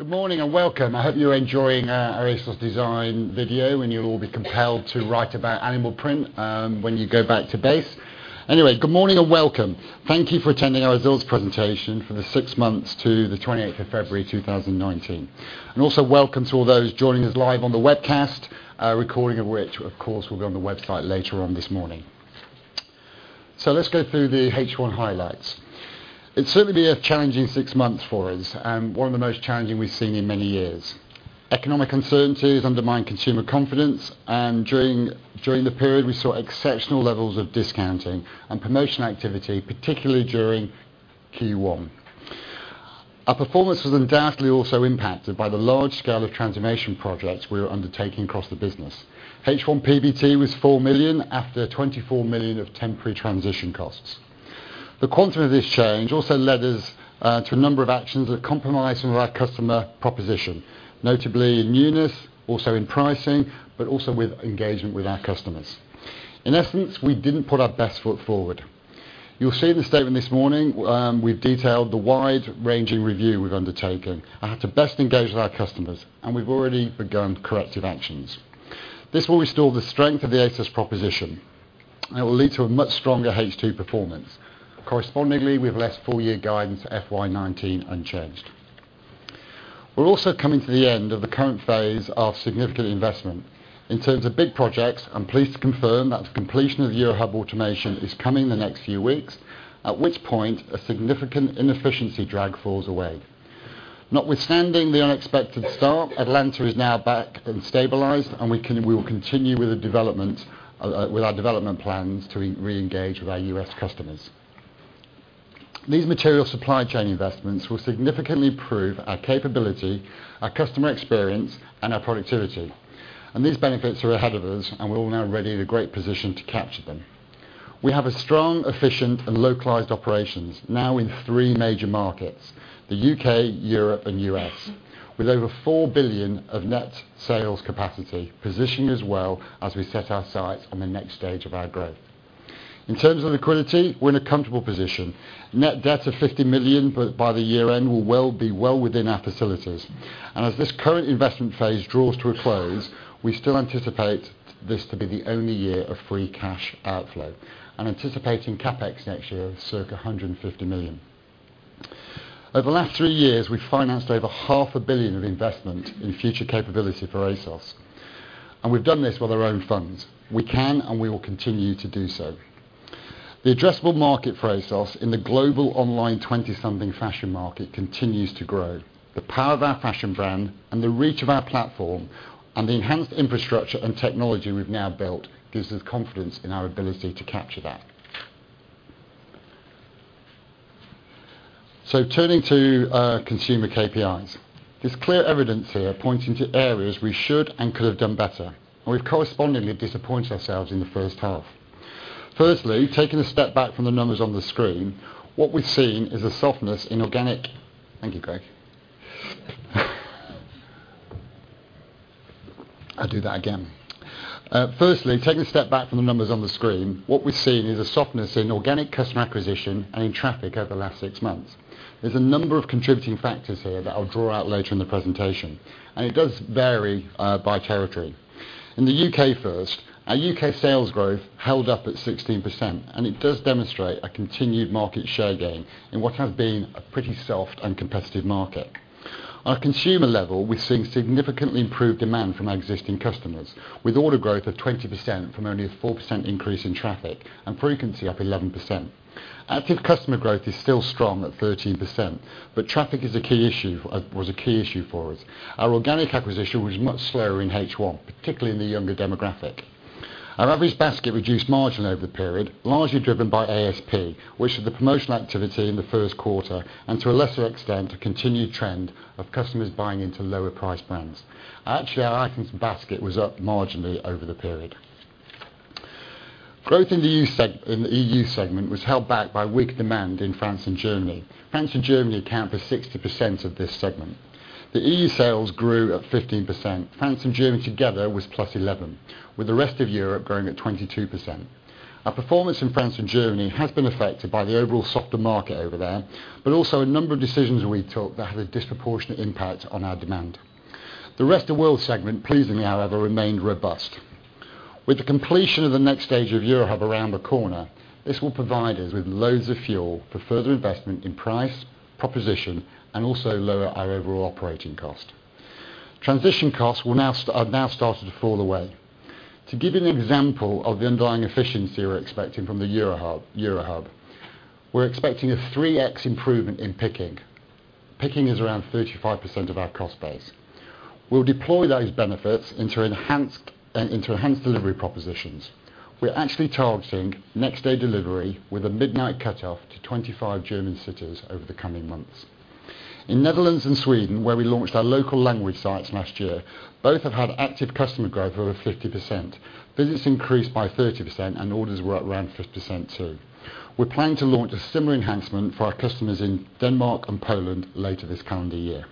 Good morning and welcome. I hope you're enjoying our ASOS Design video, and you'll all be compelled to write about animal print when you go back to base. Anyway, good morning and welcome. Thank you for attending our results presentation for the six months to the 28th of February 2019. Also welcome to all those joining us live on the webcast, a recording of which, of course, will be on the website later on this morning. Let's go through the H1 highlights. It's certainly been a challenging six months for us, and one of the most challenging we've seen in many years. Economic uncertainties undermined consumer confidence, and during the period, we saw exceptional levels of discounting and promotion activity, particularly during Q1. Our performance was undoubtedly also impacted by the large scale of transformation projects we were undertaking across the business. H1 PBT was 4 million after 24 million of temporary transition costs. The quantum of this change also led us to a number of actions that compromised some of our customer proposition, notably in newness, also in pricing, but also with engagement with our customers. In essence, we didn't put our best foot forward. You'll see in the statement this morning, we've detailed the wide-ranging review we've undertaken to best engage with our customers, and we've already begun corrective actions. This will restore the strength of the ASOS proposition, and it will lead to a much stronger H2 performance. Correspondingly, we've left full-year guidance FY 2019 unchanged. We're also coming to the end of the current phase of significant investment. In terms of big projects, I'm pleased to confirm that the completion of the Eurohub Automation is coming in the next few weeks, at which point a significant inefficiency drag falls away. Notwithstanding the unexpected start, Atlanta is now back and stabilized, and we will continue with our development plans to reengage with our U.S. customers. These material supply chain investments will significantly improve our capability, our customer experience, and our productivity. These benefits are ahead of us, and we're all now ready in a great position to capture them. We have a strong, efficient, and localized operations now in three major markets, the U.K., Europe, and U.S., with over 4 billion of net sales capacity, positioning us well as we set our sights on the next stage of our growth. In terms of liquidity, we're in a comfortable position. Net debt of 50 million by the year end will be well within our facilities. As this current investment phase draws to a close, we still anticipate this to be the only year of free cash outflow. I'm anticipating CapEx next year of circa 150 million. Over the last three years, we've financed over half a billion of investment in future capability for ASOS, and we've done this with our own funds. We can, and we will continue to do so. The addressable market for ASOS in the global online 20-something fashion market continues to grow. The power of our fashion brand and the reach of our platform and the enhanced infrastructure and technology we've now built, gives us confidence in our ability to capture that. Turning to consumer KPIs. There's clear evidence here pointing to areas we should and could have done better, and we've correspondingly disappointed ourselves in the first half. Firstly, taking a step back from the numbers on the screen, what we've seen is a softness in organic customer acquisition and in traffic over the last six months. There's a number of contributing factors here that I'll draw out later in the presentation, and it does vary by territory. In the U.K. first, our U.K. sales growth held up at 16%, and it does demonstrate a continued market share gain in what has been a pretty soft and competitive market. At a consumer level, we're seeing significantly improved demand from our existing customers, with order growth of 20% from only a 4% increase in traffic and frequency up 11%. Active customer growth is still strong at 13%, but traffic was a key issue for us. Our organic acquisition was much slower in H1, particularly in the younger demographic. Our average basket reduced margin over the period, largely driven by ASP, which is the promotional activity in the first quarter, and to a lesser extent, a continued trend of customers buying into lower priced brands. Actually, our items basket was up marginally over the period. Growth in the EU segment was held back by weak demand in France and Germany. France and Germany account for 60% of this segment. The EU sales grew at 15%. France and Germany together was +11%, with the rest of Europe growing at 22%. Our performance in France and Germany has been affected by the overall softer market over there, but also a number of decisions we took that had a disproportionate impact on our demand. The rest of world segment, pleasingly however, remained robust. With the completion of the next stage of Eurohub around the corner, this will provide us with loads of fuel for further investment in price, proposition, and also lower our overall operating cost. Transition costs have now started to fall away. To give you an example of the underlying efficiency we're expecting from the Eurohub, we're expecting a 3x improvement in picking. Picking is around 35% of our cost base. We'll deploy those benefits into enhanced delivery propositions. We're actually targeting next-day delivery with a midnight cutoff to 25 German cities over the coming months. In Netherlands and Sweden, where we launched our local language sites last year, both have had active customer growth over 50%. Visits increased by 30% and orders were up around 50% too. We're planning to launch a similar enhancement for our customers in Denmark and Poland later this calendar year.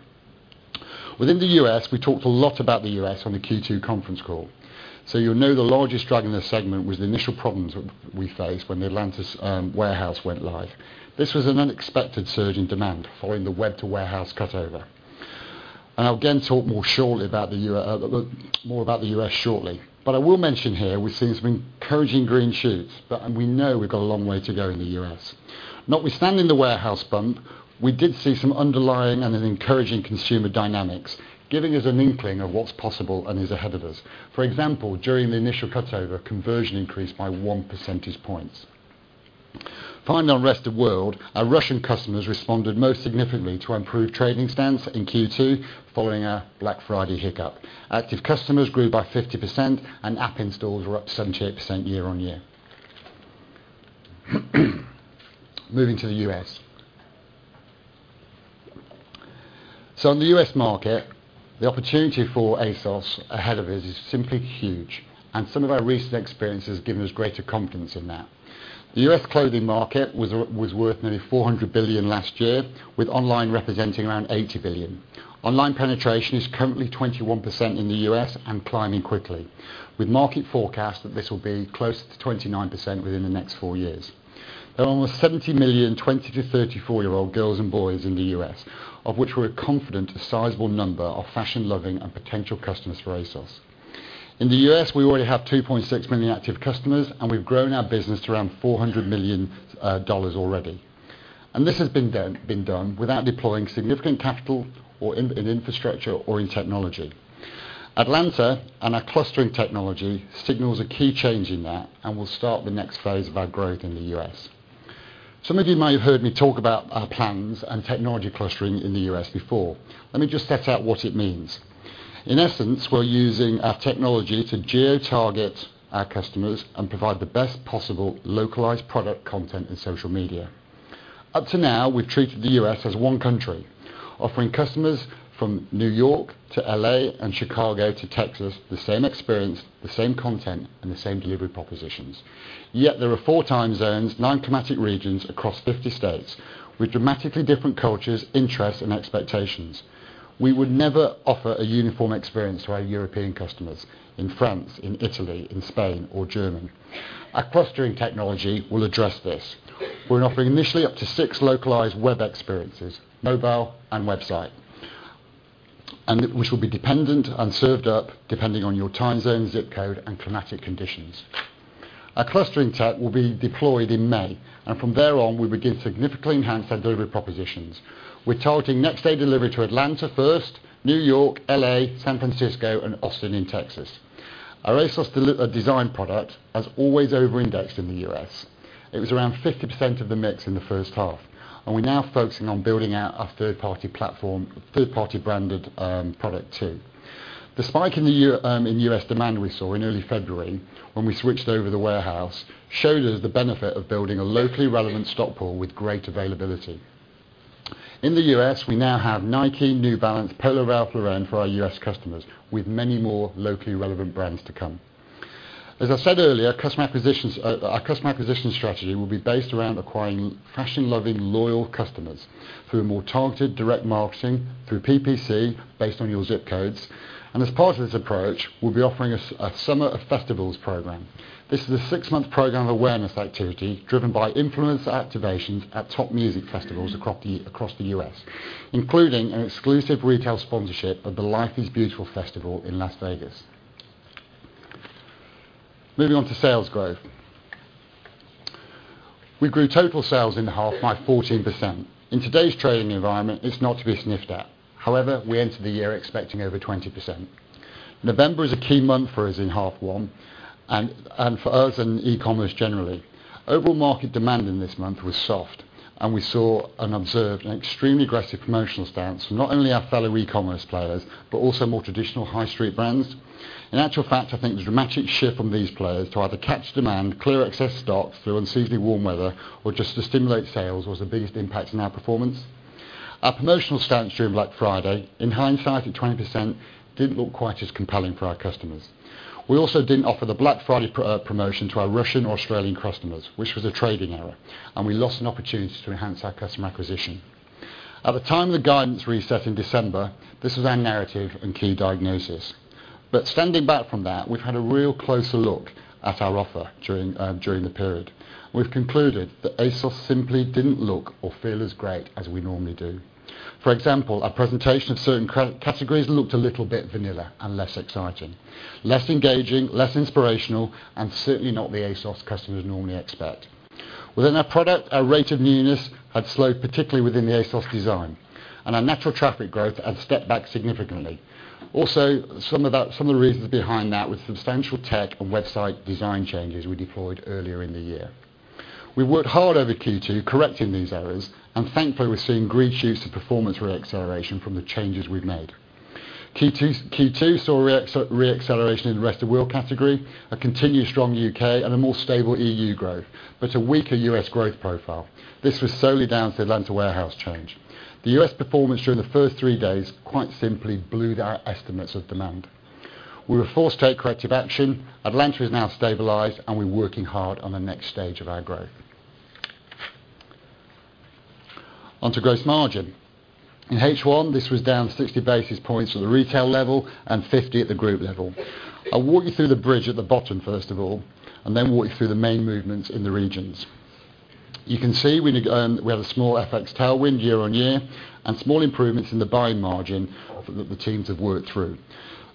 Within the U.S., we talked a lot about the U.S. on the Q2 conference call. You'll know the largest drag in this segment was the initial problems we faced when the Atlanta warehouse went live. This was an unexpected surge in demand following the web to warehouse cutover. I'll again talk more about the U.S. shortly. I will mention here we've seen some encouraging green shoots, but we know we've got a long way to go in the U.S. Notwithstanding the warehouse bump, we did see some underlying and encouraging consumer dynamics, giving us an inkling of what's possible and is ahead of us. For example, during the initial cutover, conversion increased by one percentage point. Finally, on rest of world, our Russian customers responded most significantly to improved trading stance in Q2 following our Black Friday hiccup. Active customers grew by 50% and app installs were up 78% year-on-year. Moving to the U.S. In the U.S. market, the opportunity for ASOS ahead of it is simply huge, and some of our recent experience has given us greater confidence in that. The U.S. clothing market was worth nearly 400 billion last year, with online representing around 80 billion. Online penetration is currently 21% in the U.S. and climbing quickly, with market forecast that this will be closer to 29% within the next four years. There are almost 70 million 20 year old-34 year-old girls and boys in the U.S., of which we're confident a sizable number are fashion-loving and potential customers for ASOS. In the U.S., we already have 2.6 million active customers, and we've grown our business to around $400 million already. This has been done without deploying significant capital or in infrastructure or in technology. Atlanta and our clustering technology signals a key change in that and will start the next phase of our growth in the U.S. Some of you might have heard me talk about our plans and technology clustering in the U.S. before. Let me just set out what it means. In essence, we're using our technology to geo-target our customers and provide the best possible localized product content in social media. Up to now, we've treated the U.S. as one country, offering customers from New York to L.A. and Chicago to Texas, the same experience, the same content, and the same delivery propositions. Yet, there are four time zones, nine climatic regions across 50 states with dramatically different cultures, interests, and expectations. We would never offer a uniform experience to our European customers in France, in Italy, in Spain, or Germany. Our clustering technology will address this. We're offering initially up to six localized web experiences, mobile and website, which will be dependent and served up depending on your time zone, ZIP code, and climatic conditions. Our clustering tech will be deployed in May, and from there on, we begin to significantly enhance our delivery propositions. We're targeting next-day delivery to Atlanta first, New York, L.A., San Francisco, and Austin in Texas. Our ASOS Design product has always over-indexed in the U.S. It was around 50% of the mix in the first half, and we're now focusing on building out our third-party branded product too. The spike in U.S. demand we saw in early February when we switched over the warehouse showed us the benefit of building a locally relevant stock pool with great availability. In the U.S., we now have Nike, New Balance, Polo Ralph Lauren for our U.S. customers, with many more locally relevant brands to come. As I said earlier, our customer acquisition strategy will be based around acquiring fashion-loving, loyal customers through a more targeted direct marketing, through PPC based on your ZIP codes. As part of this approach, we'll be offering a Summer of Festivals program. This is a six-month program of awareness activity driven by influencer activations at top music festivals across the U.S., including an exclusive retail sponsorship of the Life is Beautiful festival in Las Vegas. Moving on to sales growth. We grew total sales in the half by 14%. In today's trading environment, it's not to be sniffed at. However, we entered the year expecting over 20%. November is a key month for us in half one and for us and e-commerce generally. Overall market demand in this month was soft, and we saw and observed an extremely aggressive promotional stance from not only our fellow e-commerce players, but also more traditional high street brands. In actual fact, I think the dramatic shift from these players to either catch demand, clear excess stocks through unseasonably warm weather, or just to stimulate sales was the biggest impact on our performance. Our promotional stance during Black Friday, in hindsight at 20%, didn't look quite as compelling for our customers. We also didn't offer the Black Friday promotion to our Russian or Australian customers, which was a trading error, and we lost an opportunity to enhance our customer acquisition. At the time of the guidance reset in December, this was our narrative and key diagnosis. Standing back from that, we've had a real closer look at our offer during the period. We've concluded that ASOS simply didn't look or feel as great as we normally do. For example, our presentation of certain categories looked a little bit vanilla and less exciting, less engaging, less inspirational, and certainly not what the ASOS customers normally expect. Within our product, our rate of newness had slowed, particularly within the ASOS Design, and our natural traffic growth had stepped back significantly. Some of the reasons behind that were substantial tech and website design changes we deployed earlier in the year. We worked hard over Q2 correcting these errors, and thankfully, we're seeing green shoots of performance re-acceleration from the changes we've made. Q2 saw re-acceleration in the rest of world category, a continued strong U.K., and a more stable EU growth, but a weaker U.S. growth profile. This was solely down to the Atlanta warehouse change. The U.S. performance during the first three days quite simply blew out our estimates of demand. We were forced to take corrective action. Atlanta is now stabilized, and we're working hard on the next stage of our growth. On to gross margin. In H1, this was down 60 basis points at the retail level, and 50 at the group level. I'll walk you through the bridge at the bottom first of all, and then walk you through the main movements in the regions. You can see we had a small FX tailwind year-on-year, and small improvements in the buying margin that the teams have worked through.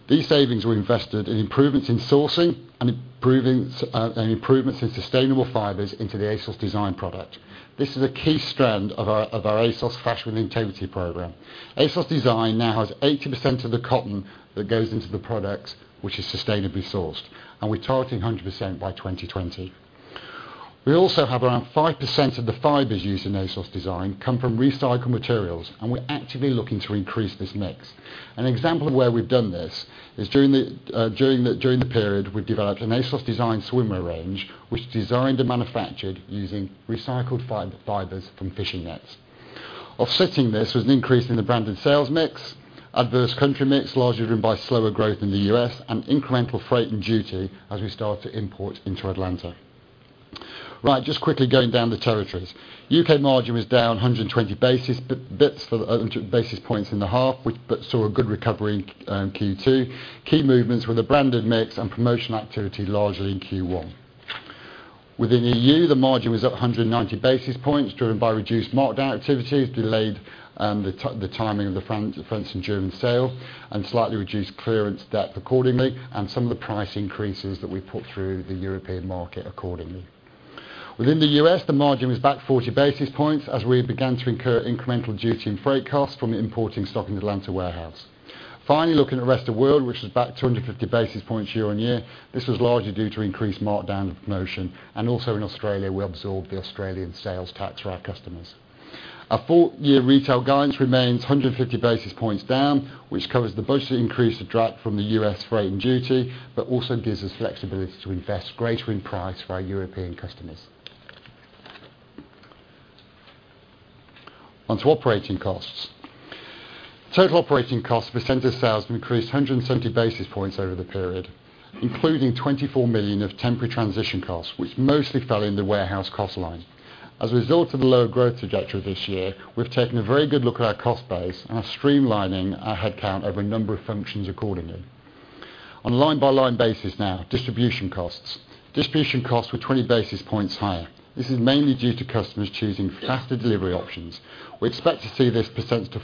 These savings were invested in improvements in sourcing and improvements in sustainable fibers into the ASOS Design product. This is a key strand of our Fashion with Integrity program. ASOS Design now has 80% of the cotton that goes into the products, which is sustainably sourced, and we're targeting 100% by 2020. We also have around 5% of the fibers used in ASOS Design come from recycled materials, and we're actively looking to increase this mix. An example of where we've done this, is during the period, we've developed an ASOS Design swimwear range, which is designed and manufactured using recycled fibers from fishing nets. Offsetting this was an increase in the branded sales mix, adverse country mix, largely driven by slower growth in the U.S., incremental freight and duty as we start to import into Atlanta. Right. Just quickly going down the territories. U.K. margin was down 120 basis points in the half, but saw a good recovery in Q2. Key movements were the branded mix and promotional activity largely in Q1. Within EU, the margin was up 190 basis points, driven by reduced markdown activity, which delayed the timing of the French and German sale, slightly reduced clearance debt accordingly, some of the price increases that we put through the European market accordingly. Within the U.S., the margin was back 40 basis points, as we began to incur incremental duty and freight costs from importing stock in the Atlanta warehouse. Finally, looking at the rest of world, which is back 250 basis points year-on-year. This was largely due to increased markdown of promotion, also in Australia, we absorbed the Australian sales tax for our customers. Our full-year retail guidance remains 150 basis points down, which covers the budget increase of drop from the U.S. freight and duty, also gives us flexibility to invest greater in price for our European customers. On to operating costs. Total operating costs percentage of sales increased 170 basis points over the period, including 24 million of temporary transition costs, which mostly fell in the warehouse cost line. As a result of the lower growth trajectory this year, we've taken a very good look at our cost base and are streamlining our headcount over a number of functions accordingly. On a line-by-line basis now, distribution costs. Distribution costs were 20 basis points higher. This is mainly due to customers choosing faster delivery options. We expect to see this percentage of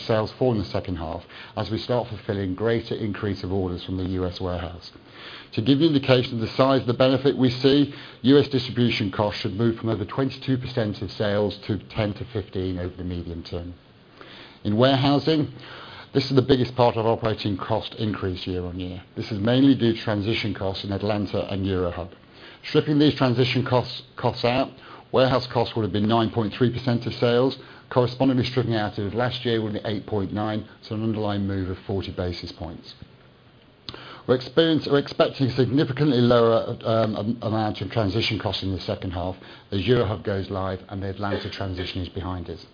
sales fall in the second half, as we start fulfilling greater increase of orders from the U.S. warehouse. To give you indication of the size of the benefit we see, U.S. distribution costs should move from over 22% of sales to 10%-15% over the medium term. In warehousing, this is the biggest part of operating cost increase year-on-year. This is mainly due to transition costs in Atlanta and Eurohub. Stripping these transition costs out, warehouse costs would've been 9.3% of sales. Correspondingly stripping out of last year would be 8.9%. So an underlying move of 40 basis points. We're expecting significantly lower amount of transition costs in the second half as Eurohub goes live and the Atlanta transition is behind us.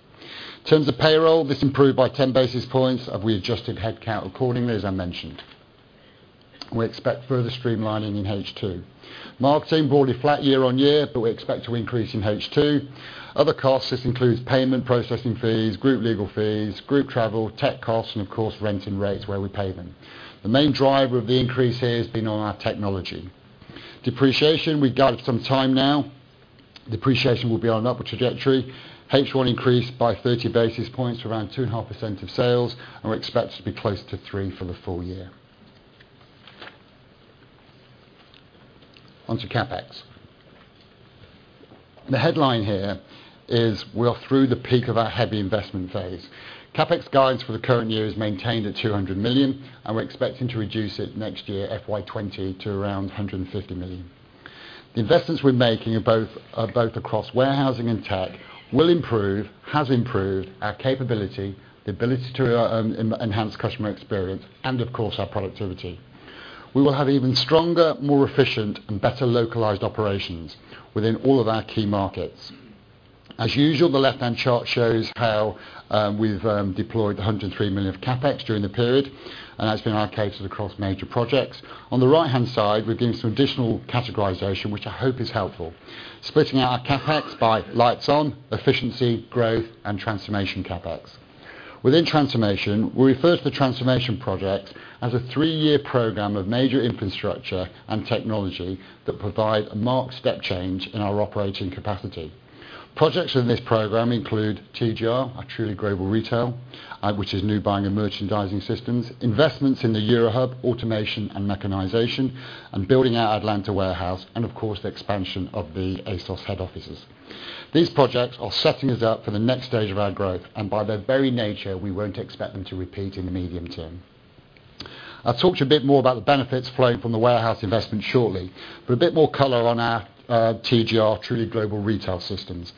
In terms of payroll, this improved by 10 basis points, we adjusted headcount accordingly, as I mentioned. We expect further streamlining in H2. Marketing broadly flat year-on-year, we expect to increase in H2. Other costs, this includes payment processing fees, group legal fees, group travel, tech costs, of course, rent and rates where we pay them. The main driver of the increase here has been on our technology. Depreciation, we guided some time now. Depreciation will be on an upward trajectory. H1 increased by 30 basis points to around 2.5% of sales, we expect to be closer to 3% for the full year. On to CapEx. The headline here is we are through the peak of our heavy investment phase. CapEx guidance for the current year is maintained at 200 million. We're expecting to reduce it next year, FY 2020, to around 150 million. The investments we're making are both across warehousing and tech, will improve, has improved our capability, the ability to enhance customer experience, and of course, our productivity. We will have even stronger, more efficient, and better localized operations within all of our key markets. As usual, the left-hand chart shows how we've deployed the 103 million of CapEx during the period. That's been allocated across major projects. On the right-hand side, we've given some additional categorization, which I hope is helpful, splitting our CapEx by lights on, efficiency, growth, and transformation CapEx. Within transformation, we refer to the transformation project as a three-year program of major infrastructure and technology that provide a marked step change in our operating capacity. Projects in this program include TGR, our Truly Global Retail, which is new buying and merchandising systems, investments in the Eurohub, automation and mechanization, and building our Atlanta warehouse, and of course, the expansion of the ASOS head offices. These projects are setting us up for the next stage of our growth. By their very nature, we won't expect them to repeat in the medium term. I'll talk to you a bit more about the benefits flowing from the warehouse investment shortly. For a bit more color on our TGR, Truly Global Retail systems,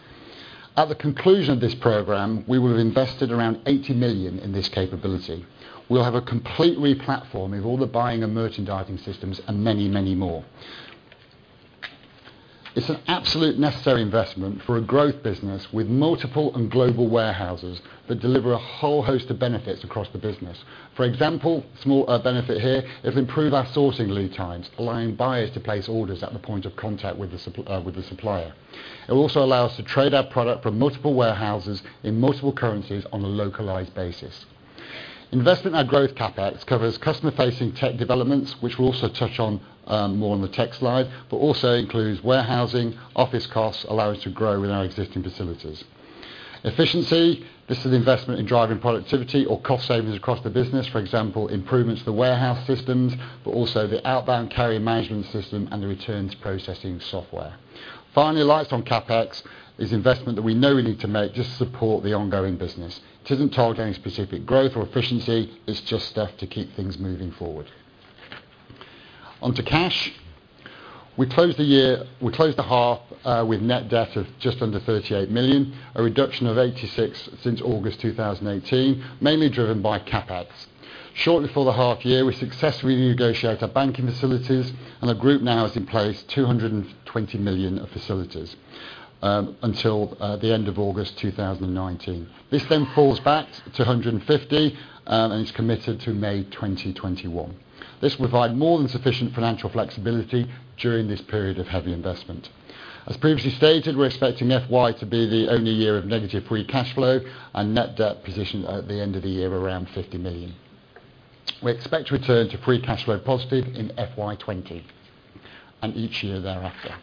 at the conclusion of this program, we will have invested around 80 million in this capability. We'll have a complete re-platform of all the buying and merchandising systems and many more. It's an absolute necessary investment for a growth business with multiple and global warehouses that deliver a whole host of benefits across the business. For example, small benefit here is improve our sourcing lead times, allowing buyers to place orders at the point of contact with the supplier. It will also allow us to trade our product from multiple warehouses in multiple currencies on a localized basis. Investment in our growth CapEx covers customer-facing tech developments, which we'll also touch on more on the tech slide, but also includes warehousing, office costs, allow us to grow in our existing facilities. Efficiency. This is investment in driving productivity or cost savings across the business, for example, improvements to the warehouse systems, but also the outbound carrier management system and the returns processing software. Finally, last on CapEx is investment that we know we need to make just to support the ongoing business. It isn't targeting specific growth or efficiency, it's just stuff to keep things moving forward. On to cash. We closed the half with net debt of just under 38 million, a reduction of 86 million since August 2018, mainly driven by CapEx. Shortly before the half year, we successfully renegotiated our banking facilities. The group now has in place 220 million of facilities until the end of August 2019. This falls back to 150 million. It's committed to May 2021. This will provide more than sufficient financial flexibility during this period of heavy investment. As previously stated, we're expecting FY to be the only year of negative free cash flow and net debt position at the end of the year of around 50 million. We expect to return to free cash flow positive in FY 2020, and each year thereafter.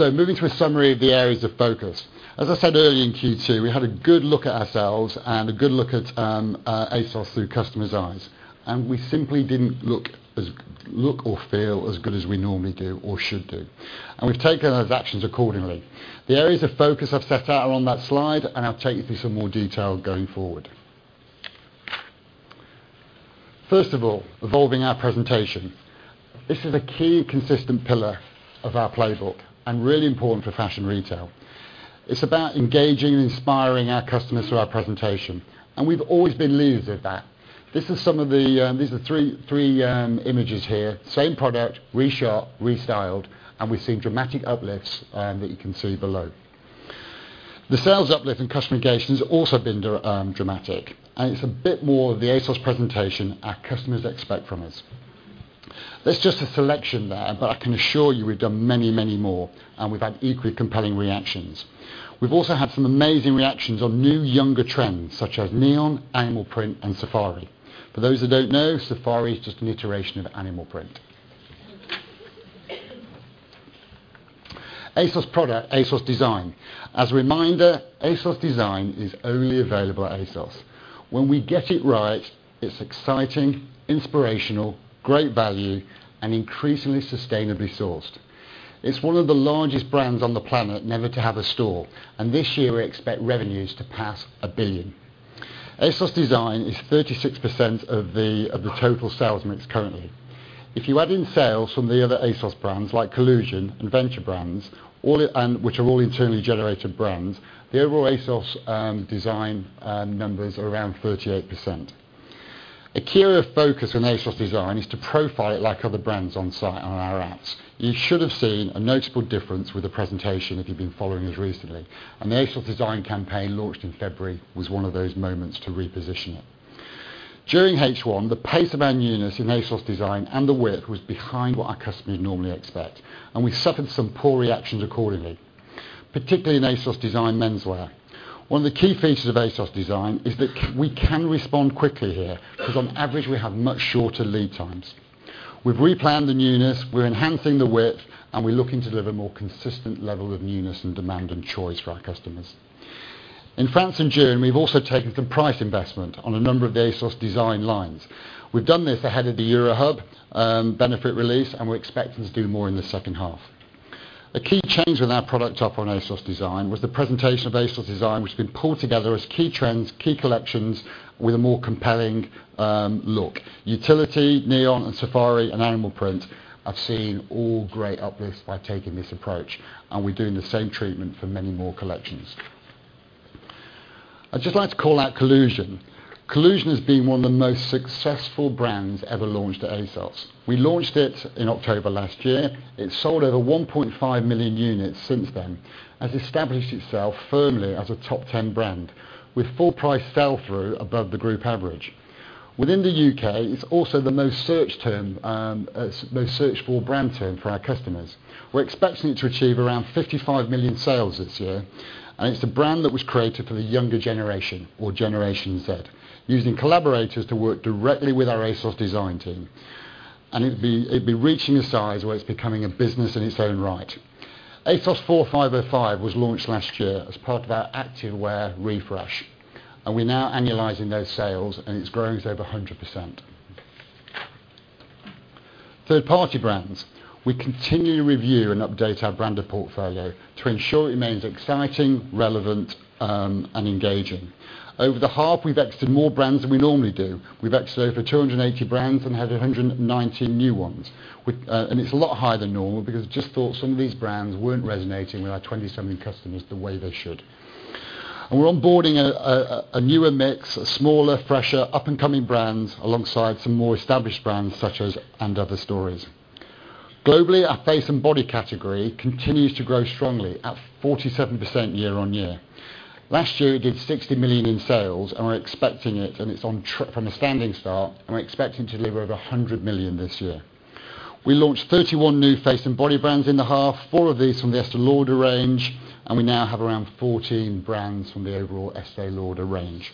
Moving to a summary of the areas of focus. As I said earlier, in Q2, we had a good look at ourselves and a good look at ASOS through customers' eyes, and we simply didn't look or feel as good as we normally do or should do. We've taken those actions accordingly. The areas of focus I've set out are on that slide, I'll take you through some more detail going forward. First of all, evolving our presentation. This is a key consistent pillar of our playbook and really important for fashion retail. It's about engaging and inspiring our customers through our presentation, and we've always been leaders at that. These are three images here. Same product, reshot, restyled, we've seen dramatic uplifts that you can see below. The sales uplift and customer engagement has also been dramatic, it's a bit more of the ASOS presentation our customers expect from us. That's just a selection there, I can assure you we've done many, many more, we've had equally compelling reactions. We've also had some amazing reactions on new, younger trends such as neon, animal print, and safari. For those who don't know, safari is just an iteration of animal print. ASOS Product, ASOS Design. As a reminder, ASOS Design is only available at ASOS. When we get it right, it's exciting, inspirational, great value, and increasingly sustainably sourced. It's one of the largest brands on the planet never to have a store, this year we expect revenues to pass 1 billion. ASOS Design is 36% of the total sales mix currently. If you add in sales from the other ASOS brands like Collusion and Venture Brands, which are all internally generated brands, the overall ASOS Design number is around 38%. A key area of focus on ASOS Design is to profile it like other brands on site, on our apps. You should have seen a notable difference with the presentation if you've been following us recently. An ASOS Design campaign launched in February was one of those moments to reposition it. During H1, the pace of our newness in ASOS Design and the width was behind what our customers normally expect, we suffered some poor reactions accordingly, particularly in ASOS Design menswear. One of the key features of ASOS Design is that we can respond quickly here, because on average, we have much shorter lead times. We've replanned the newness, we're enhancing the width, we're looking to deliver more consistent level of newness and demand and choice for our customers. In France, in June, we've also taken some price investment on a number of the ASOS Design lines. We've done this ahead of the Eurohub benefit release, we're expecting to do more in the second half. A key change with our product offer on ASOS Design was the presentation of ASOS Design, which has been pulled together as key trends, key collections, with a more compelling look. Utility, neon, and safari, and animal print have seen all great uplifts by taking this approach, we're doing the same treatment for many more collections. I'd just like to call out Collusion. Collusion has been one of the most successful brands ever launched at ASOS. We launched it in October last year. It's sold over 1.5 million units since then, has established itself firmly as a top 10 brand, with full price sell-through above the group average. Within the U.K., it's also the most searched for brand term for our customers. We're expecting it to achieve around 55 million sales this year. It's the brand that was created for the younger generation, or Generation Z, using collaborators to work directly with our ASOS Design team. It'll be reaching a size where it's becoming a business in its own right. ASOS 4505 was launched last year as part of our activewear refresh. We're now annualizing those sales. It's growing at over 100%. Third-party brands. We continue to review and update our brand portfolio to ensure it remains exciting, relevant, and engaging. Over the half, we've exited more brands than we normally do. We've exited over 280 brands and added 190 new ones. It's a lot higher than normal because we just thought some of these brands weren't resonating with our 20-something customers the way they should. We're onboarding a newer mix, a smaller, fresher, up-and-coming brands, alongside some more established brands such as & Other Stories. Globally, our Face and Body category continues to grow strongly at 47% year-over-year. Last year, we did 60 million in sales. We're expecting it, and it's from a standing start. We're expecting to deliver over 100 million this year. We launched 31 new Face and Body brands in the half, four of these from the Estée Lauder range. We now have around 14 brands from the overall Estée Lauder range.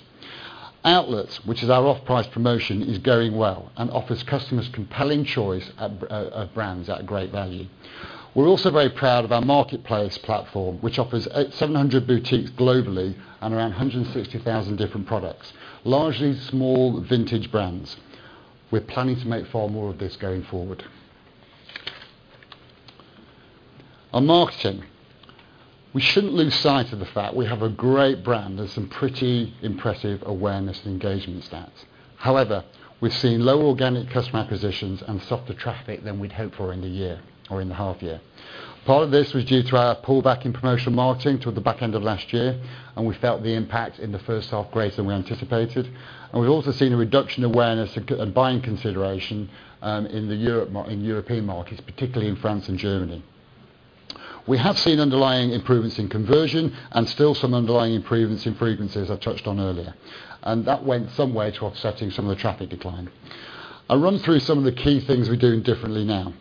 Outlets, which is our off-price promotion, is going well and offers customers compelling choice of brands at great value. We're also very proud of our Marketplace platform, which offers 700 boutiques globally and around 160,000 different products, largely small vintage brands. We're planning to make far more of this going forward. On marketing, we shouldn't lose sight of the fact we have a great brand and some pretty impressive awareness and engagement stats. However, we've seen low organic customer acquisitions and softer traffic than we'd hoped for in the year, or in the half year. Part of this was due to our pullback in promotional marketing toward the back end of last year. We felt the impact in the first half greater than we anticipated. We've also seen a reduction in awareness and buying consideration in European markets, particularly in France and Germany. We have seen underlying improvements in conversion and still some underlying improvements in frequencies, as I touched on earlier. That went some way to offsetting some of the traffic decline. I'll run through some of the key things we're doing differently now.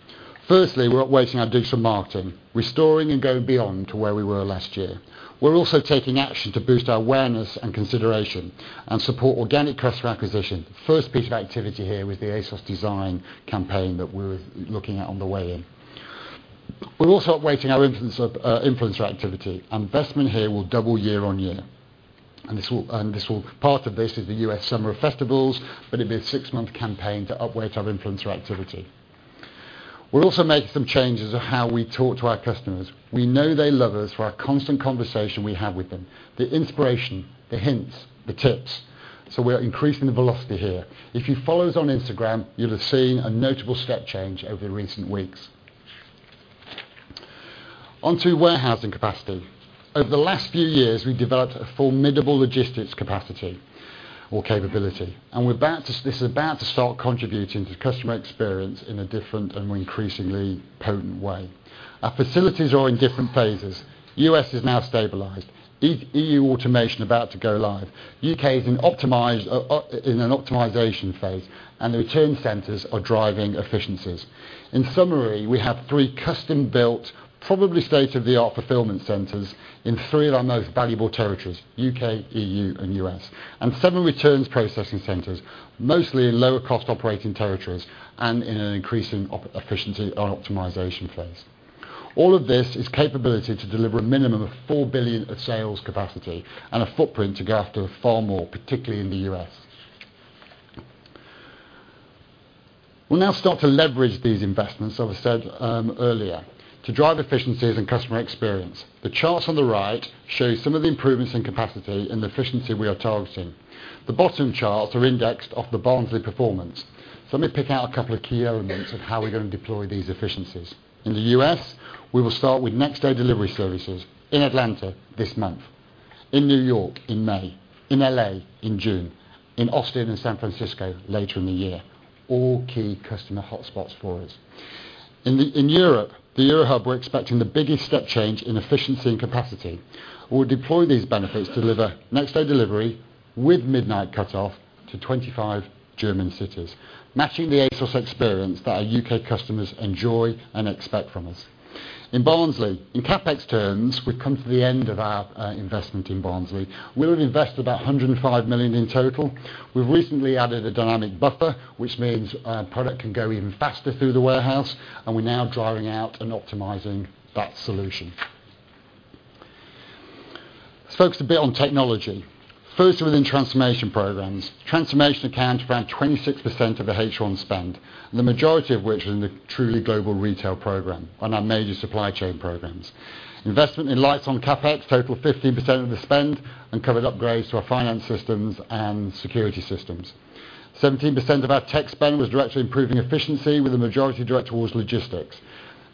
Firstly, we're up-weighting our digital marketing, restoring and going beyond to where we were last year. We're also taking action to boost our awareness and consideration and support organic customer acquisition. First piece of activity here with the ASOS Design campaign that we're looking at on the way in. We're also up-weighting our influencer activity. Investment here will double year-over-year. Part of this is the U.S. summer of festivals, but it will be a six-month campaign to up-weight our influencer activity. We'll also make some changes of how we talk to our customers. We know they love us for our constant conversation we have with them, the inspiration, the hints, the tips. We're increasing the velocity here. If you follow us on Instagram, you'll have seen a notable step change over recent weeks. On to warehousing capacity. Over the last few years, we've developed a formidable logistics capacity or capability, and this is about to start contributing to customer experience in a different and increasingly potent way. Our facilities are in different phases. U.S. is now stabilized. EU automation about to go live. U.K. is in an optimization phase, and the return centers are driving efficiencies. In summary, we have three custom-built, probably state-of-the-art fulfillment centers in three of our most valuable territories, U.K., EU, and U.S., and seven returns processing centers, mostly in lower cost operating territories and in an increasing efficiency and optimization phase. All of this is capability to deliver a minimum of 4 billion of sales capacity and a footprint to go after far more, particularly in the U.S. We'll now start to leverage these investments, as I said earlier, to drive efficiencies and customer experience. The charts on the right show some of the improvements in capacity and the efficiency we are targeting. The bottom charts are indexed off the Barnsley performance. Let me pick out a couple of key elements of how we're going to deploy these efficiencies. In the U.S., we will start with next day delivery services in Atlanta this month, in New York in May, in L.A. in June, in Austin and San Francisco later in the year. All key customer hotspots for us. In Europe, the Eurohub, we're expecting the biggest step change in efficiency and capacity. We'll deploy these benefits to deliver next day delivery with midnight cutoff to 25 German cities, matching the ASOS experience that our U.K. customers enjoy and expect from us. In Barnsley, in CapEx terms, we've come to the end of our investment in Barnsley. We will have invested about 105 million in total. We've recently added a dynamic buffer, which means product can go even faster through the warehouse, and we're now driving out and optimizing that solution. Let's focus a bit on technology. First, within transformation programs. Transformation accounts for around 26% of the H1 spend, the majority of which was in the Truly Global Retail program on our major supply chain programs. Investment in lights on CapEx total 15% of the spend and covered upgrades to our finance systems and security systems. 17% of our tech spend was directly improving efficiency, with the majority direct towards logistics.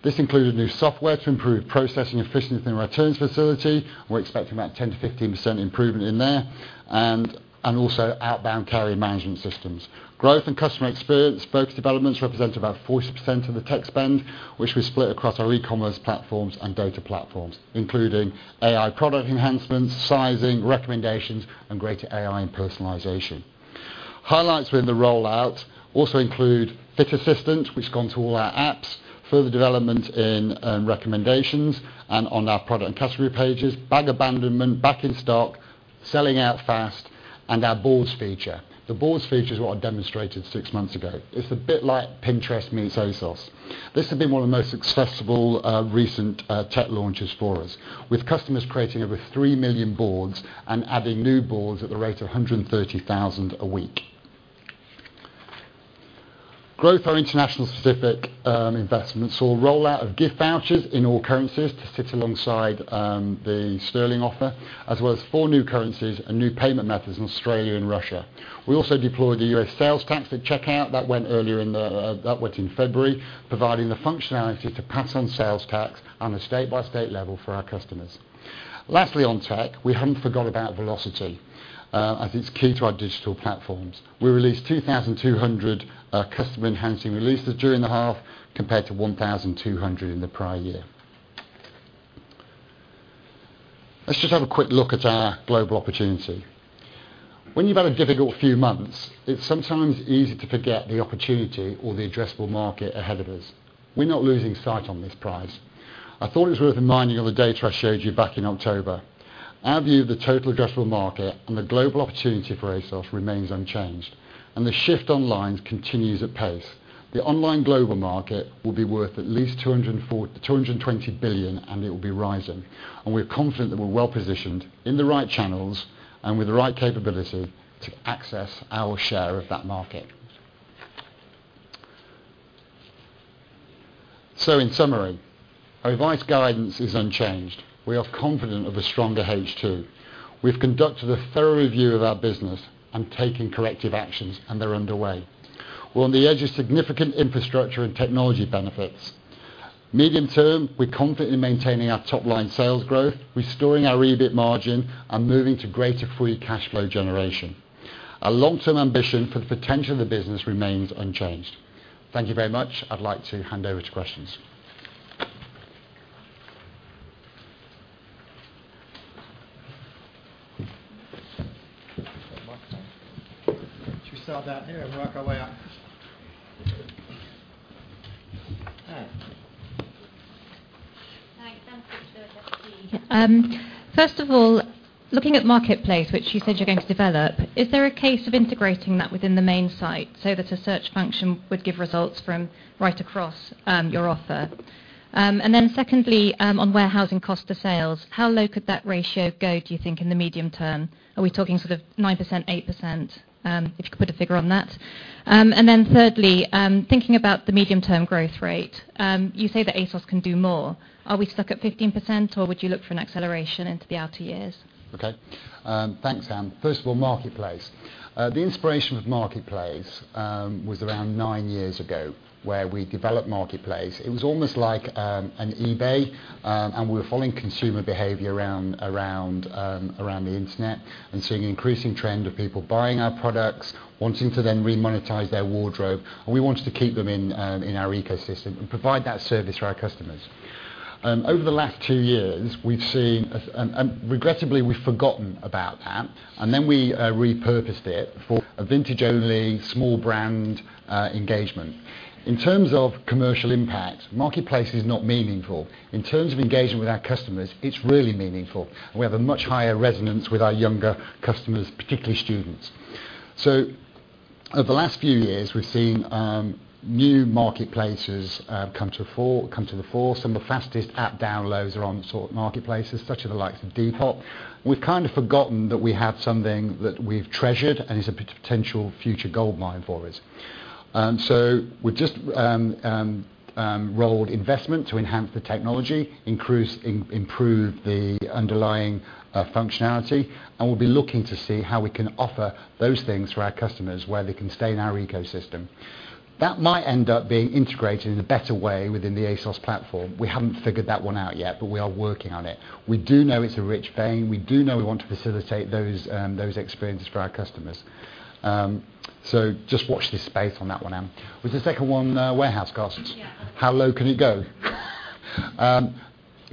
This included new software to improve processing efficiency in our returns facility. We're expecting about 10%-15% improvement in there, and also outbound carrier management systems. Growth and customer experience focused developments represent about 40% of the tech spend, which we split across our e-commerce platforms and data platforms, including AI product enhancements, sizing, recommendations, and greater AI and personalization. Highlights within the rollout also include Fit Assistant, which has gone to all our apps, further development in recommendations and on our product and category pages, bag abandonment, back in stock, selling out fast, and our Boards feature. The Boards feature is what I demonstrated six months ago. It's a bit like Pinterest meets ASOS. This has been one of the most successful recent tech launches for us, with customers creating over 3 million boards and adding new boards at the rate of 130,000 a week. Growth of our international specific investments saw rollout of gift vouchers in all currencies to sit alongside the sterling offer, as well as four new currencies and new payment methods in Australia and Russia. We also deployed the U.S. sales tax at checkout. That went in February, providing the functionality to pass on sales tax on a state-by-state level for our customers. Lastly, on tech, we haven't forgot about velocity, as it's key to our digital platforms. We released 2,200 customer-enhancing releases during the half, compared to 1,200 in the prior year. Let's just have a quick look at our global opportunity. When you've had a difficult few months, it's sometimes easy to forget the opportunity or the addressable market ahead of us. We're not losing sight on this prize. I thought it was worth reminding you of the data I showed you back in October. Our view of the total addressable market and the global opportunity for ASOS remains unchanged, and the shift online continues at pace. The online global market will be worth at least 220 billion, and it will be rising, and we're confident that we're well-positioned, in the right channels, and with the right capability to access our share of that market. In summary, our revised guidance is unchanged. We are confident of a stronger H2. We've conducted a thorough review of our business and taken corrective actions, and they're underway. We're on the edge of significant infrastructure and technology benefits. Medium term, we're confident in maintaining our top-line sales growth, restoring our EBIT margin, and moving to greater free cash flow generation. Our long-term ambition for the potential of the business remains unchanged. Thank you very much. I'd like to hand over to questions. Is the mic on? Why don't you start back here, and we'll work our way up. All right. Thanks. Anne. First of all, looking at Marketplace, which you said you're going to develop, is there a case of integrating that within the main site so that a search function would give results from right across your offer? Secondly, on warehousing cost of sales, how low could that ratio go, do you think, in the medium term? Are we talking sort of 9%, 8%? If you could put a figure on that. Thirdly, thinking about the medium term growth rate, you say that ASOS can do more. Are we stuck at 15%, or would you look for an acceleration into the outer years? Thanks, Anne. First of all, Marketplace. The inspiration of Marketplace was around nine years ago, where we developed Marketplace. It was almost like an eBay, and we were following consumer behavior around the internet and seeing an increasing trend of people buying our products, wanting to then remonetize their wardrobe, and we wanted to keep them in our ecosystem and provide that service for our customers. Over the last two years, regrettably, we've forgotten about that, and then we repurposed it for a vintage-only small brand engagement. In terms of commercial impact, Marketplace is not meaningful. In terms of engagement with our customers, it's really meaningful, and we have a much higher resonance with our younger customers, particularly students. Over the last few years, we've seen new marketplaces come to the fore. Some of the fastest app downloads are on sort of marketplaces such as the likes of Depop. We've kind of forgotten that we have something that we've treasured and is a potential future goldmine for us. We've just rolled investment to enhance the technology, improve the underlying functionality, and we'll be looking to see how we can offer those things for our customers, where they can stay in our ecosystem. That might end up being integrated in a better way within the ASOS platform. We haven't figured that one out yet, we are working on it. We do know it's a rich vein. We do know we want to facilitate those experiences for our customers. Just watch this space on that one, Anne. Was the second one warehouse costs? Yeah. How low can it go?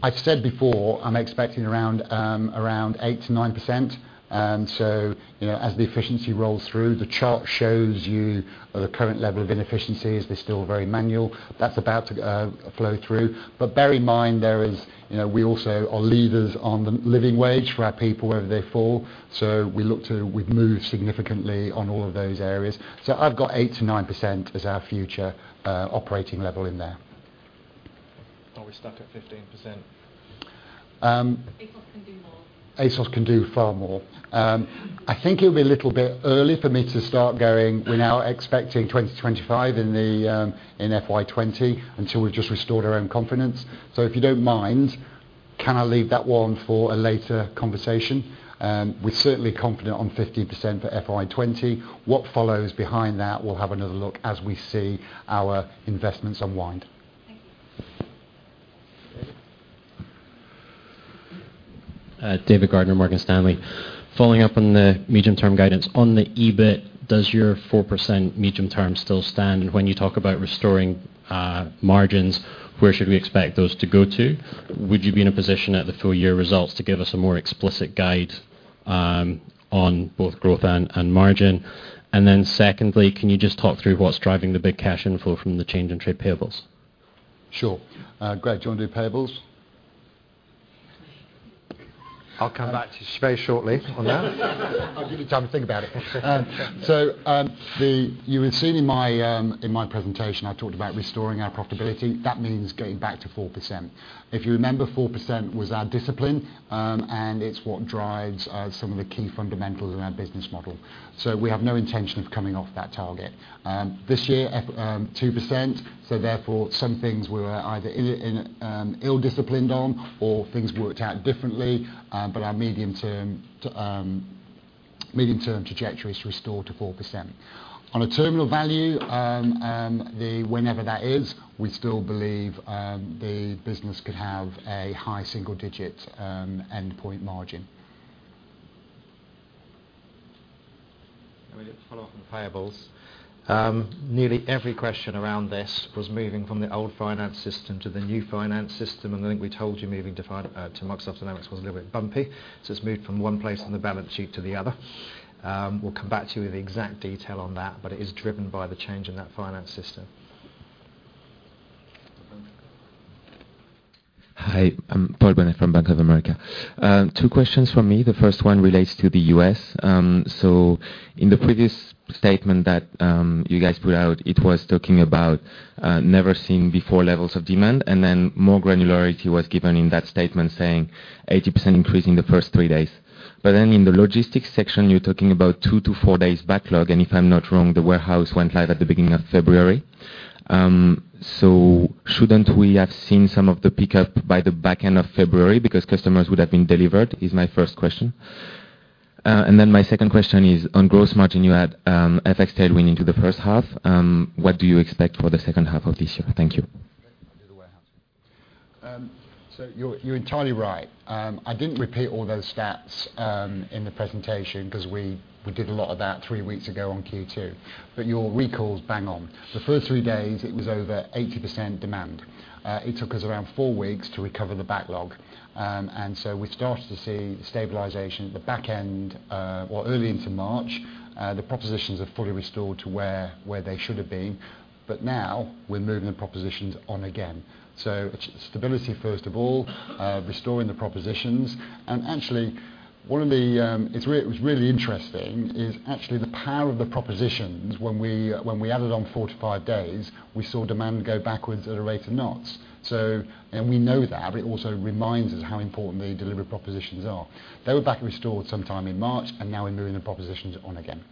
I've said before, I'm expecting around 8%-9%. As the efficiency rolls through, the chart shows you the current level of inefficiencies. They're still very manual. That's about to flow through. Bear in mind, we also are leaders on the living wage for our people wherever they fall. We've moved significantly on all of those areas. I've got 8%-9% as our future operating level in there. Are we stuck at 15%? ASOS can do more. ASOS can do far more. I think it'll be a little bit early for me to start going, we're now expecting 2025 in FY 2020 until we've just restored our own confidence. If you don't mind, can I leave that one for a later conversation? We're certainly confident on 15% for FY 2020. What follows behind that, we'll have another look as we see our investments unwind. Thank you. David Gardner, Morgan Stanley. Following up on the medium-term guidance, on the EBIT, does your 4% medium term still stand? When you talk about restoring margins, where should we expect those to go to? Would you be in a position at the full year results to give us a more explicit guide on both growth and margin? Secondly, can you just talk through what's driving the big cash inflow from the change in trade payables? Sure. Greg, do you want to do payables? I'll come back to you very shortly on that. I'll give you time to think about it. You would've seen in my presentation, I talked about restoring our profitability. That means going back to 4%. If you remember, 4% was our discipline, and it's what drives some of the key fundamentals in our business model. We have no intention of coming off that target. This year, at 2%, some things we were either ill-disciplined on, or things worked out differently, but our medium-term trajectory is to restore to 4%. On a terminal value, whenever that is, we still believe the business could have a high-single-digit endpoint margin. I mean, it's a follow up on payables. Nearly every question around this was moving from the old finance system to the new finance system, and I think we told you moving to Microsoft Dynamics was a little bit bumpy. It's moved from one place on the balance sheet to the other. We'll come back to you with the exact detail on that, but it is driven by the change in that finance system. Hi. I'm Paul Bennett from Bank of America. Two questions from me. The first one relates to the U.S. In the previous statement that you guys put out, it was talking about never seen before levels of demand, more granularity was given in that statement saying 80% increase in the first three days. In the logistics section, you're talking about two to four days backlog, and if I'm not wrong, the warehouse went live at the beginning of February. Shouldn't we have seen some of the pickup by the back end of February because customers would have been delivered, is my first question. My second question is on gross margin, you had FX tailwind into the first half. What do you expect for the second half of this year? Thank you. Okay. I'll do the warehouse. You're entirely right. I didn't repeat all those stats in the presentation because we did a lot of that three weeks ago on Q2. You're recalled bang on. The first three days, it was over 80% demand. It took us around four weeks to recover the backlog. We started to see stabilization at the back end or early into March. The propositions are fully restored to where they should have been. Now we're moving the propositions on again. It's stability, first of all, restoring the propositions. Actually, what's really interesting is actually the power of the propositions. When we added on four to five days, we saw demand go backwards at a rate of knots. We know that, but it also reminds us how important the delivered propositions are. They were back restored sometime in March. Now we're moving the propositions on again.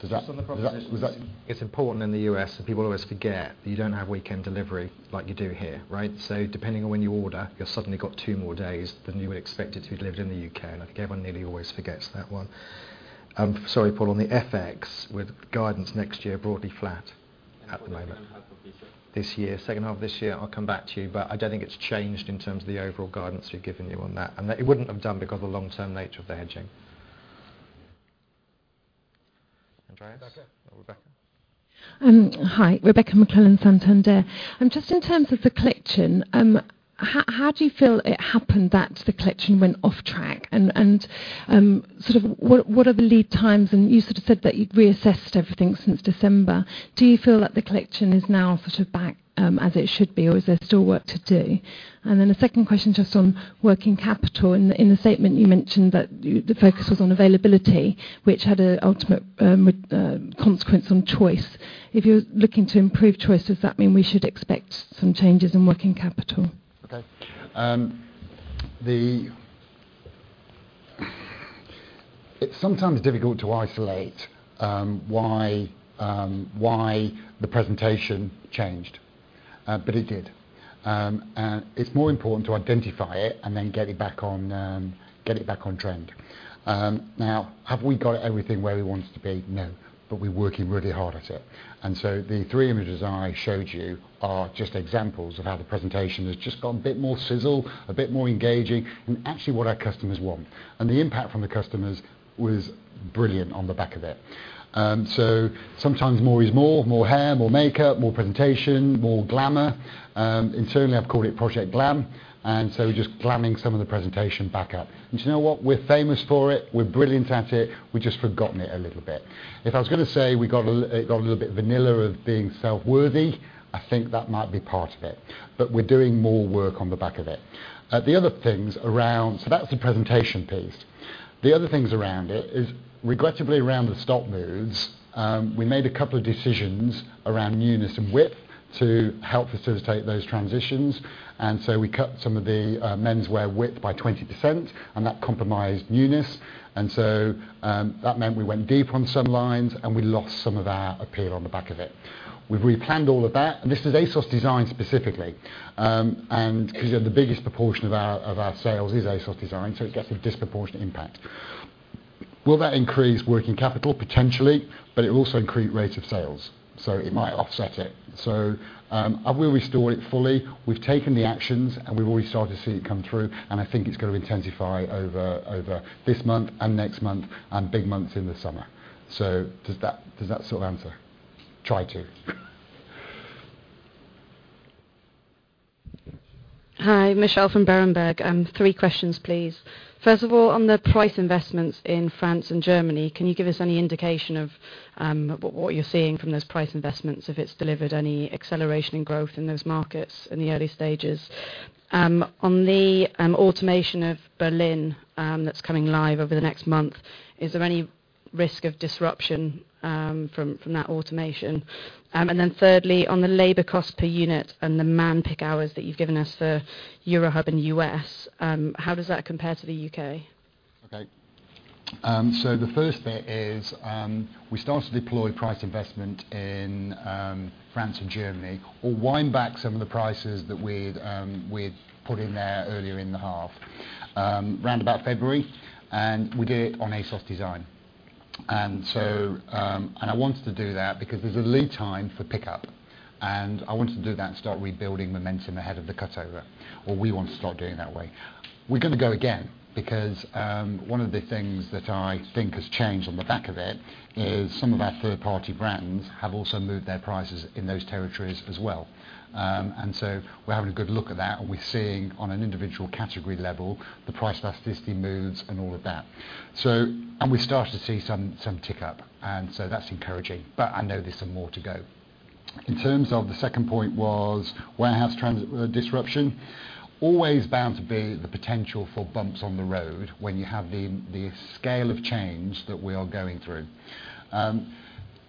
Just on the propositions, it's important in the U.S. that people always forget that you don't have weekend delivery like you do here, right? Depending on when you order, you've suddenly got two more days than you would expect it if you lived in the U.K., and I think everyone nearly always forgets that one. Sorry, Paul, on the FX with guidance next year, broadly flat at the moment. For the second half of this year? This year, second half of this year, I'll come back to you, I don't think it's changed in terms of the overall guidance we've given you on that. It wouldn't have done because of the long-term nature of the hedging. Andreas? Rebecca. Hi, Rebecca McClellan, Santander. Just in terms of the collection, how do you feel it happened that the collection went off track? Sort of what are the lead times? You sort of said that you'd reassessed everything since December. Do you feel that the collection is now sort of back as it should be, or is there still work to do? Then a second question just on working capital. In the statement, you mentioned that the focus was on availability, which had an ultimate consequence on choice. If you're looking to improve choice, does that mean we should expect some changes in working capital? It's sometimes difficult to isolate why the presentation changed, but it did. It's more important to identify it and then get it back on trend. Have we got everything where we want it to be? No. We're working really hard at it. The three images I showed you are just examples of how the presentation has just got a bit more sizzle, a bit more engaging, and actually what our customers want. The impact from the customers was brilliant on the back of it. Sometimes more is more, more hair, more makeup, more presentation, more glamour. Internally, I've called it Project Glam. We're just glamming some of the presentation back up. Do you know what? We're famous for it. We're brilliant at it. We've just forgotten it a little bit. If I was going to say it got a little bit vanilla of being self-worthy, I think that might be part of it. We're doing more work on the back of it. That's the presentation piece. The other things around it is regrettably around the stock moves. We made a couple of decisions around newness and width to help facilitate those transitions. We cut some of the menswear width by 20%. That compromised newness. That meant we went deep on some lines. We lost some of our appeal on the back of it. We've replanned all of that. This is ASOS Design specifically, because the biggest proportion of our sales is ASOS Design. It gets a disproportionate impact. Will that increase working capital? Potentially. It will also increase rate of sales. It might offset it. I will restore it fully. We've taken the actions. We've already started to see it come through. I think it's going to intensify over this month and next month and big months in the summer. Does that sort of answer? Try to. Hi, Michelle from Berenberg. Three questions, please. First of all, on the price investments in France and Germany, can you give us any indication of what you're seeing from those price investments, if it's delivered any acceleration in growth in those markets in the early stages? On the automation of Berlin that's coming live over the next month, is there any risk of disruption from that automation? Thirdly, on the labor cost per unit and the man pick hours that you've given us for Eurohub and U.S., how does that compare to the U.K.? The first bit is we started to deploy price investment in France and Germany or wind back some of the prices that we'd put in there earlier in the half, round about February, and we did it on ASOS Design. I wanted to do that because there's a lead time for pickup. I wanted to do that and start rebuilding momentum ahead of the cutover, or we want to start doing it that way. We're going to go again, because one of the things that I think has changed on the back of it is some of our third-party brands have also moved their prices in those territories as well. We're having a good look at that, and we're seeing on an individual category level, the price elasticity moves and all of that. We're starting to see some tick up, and so that's encouraging. I know there's some more to go. In terms of the second point was warehouse disruption. Always bound to be the potential for bumps on the road when you have the scale of change that we are going through.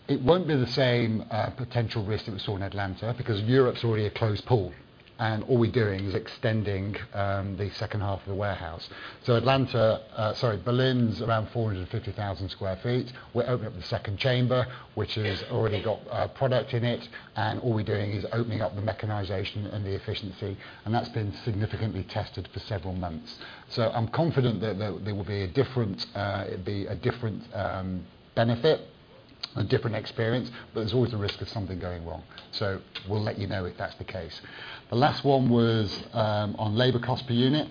It won't be the same potential risk that we saw in Atlanta because Europe's already a closed pool, and all we're doing is extending the second half of the warehouse. Berlin's around 450,000 sq ft. We're opening up the second chamber, which has already got product in it, and all we're doing is opening up the mechanization and the efficiency, and that's been significantly tested for several months. I'm confident that there will be a different benefit, a different experience, but there's always a risk of something going wrong. We'll let you know if that's the case. The last one was on labor cost per unit.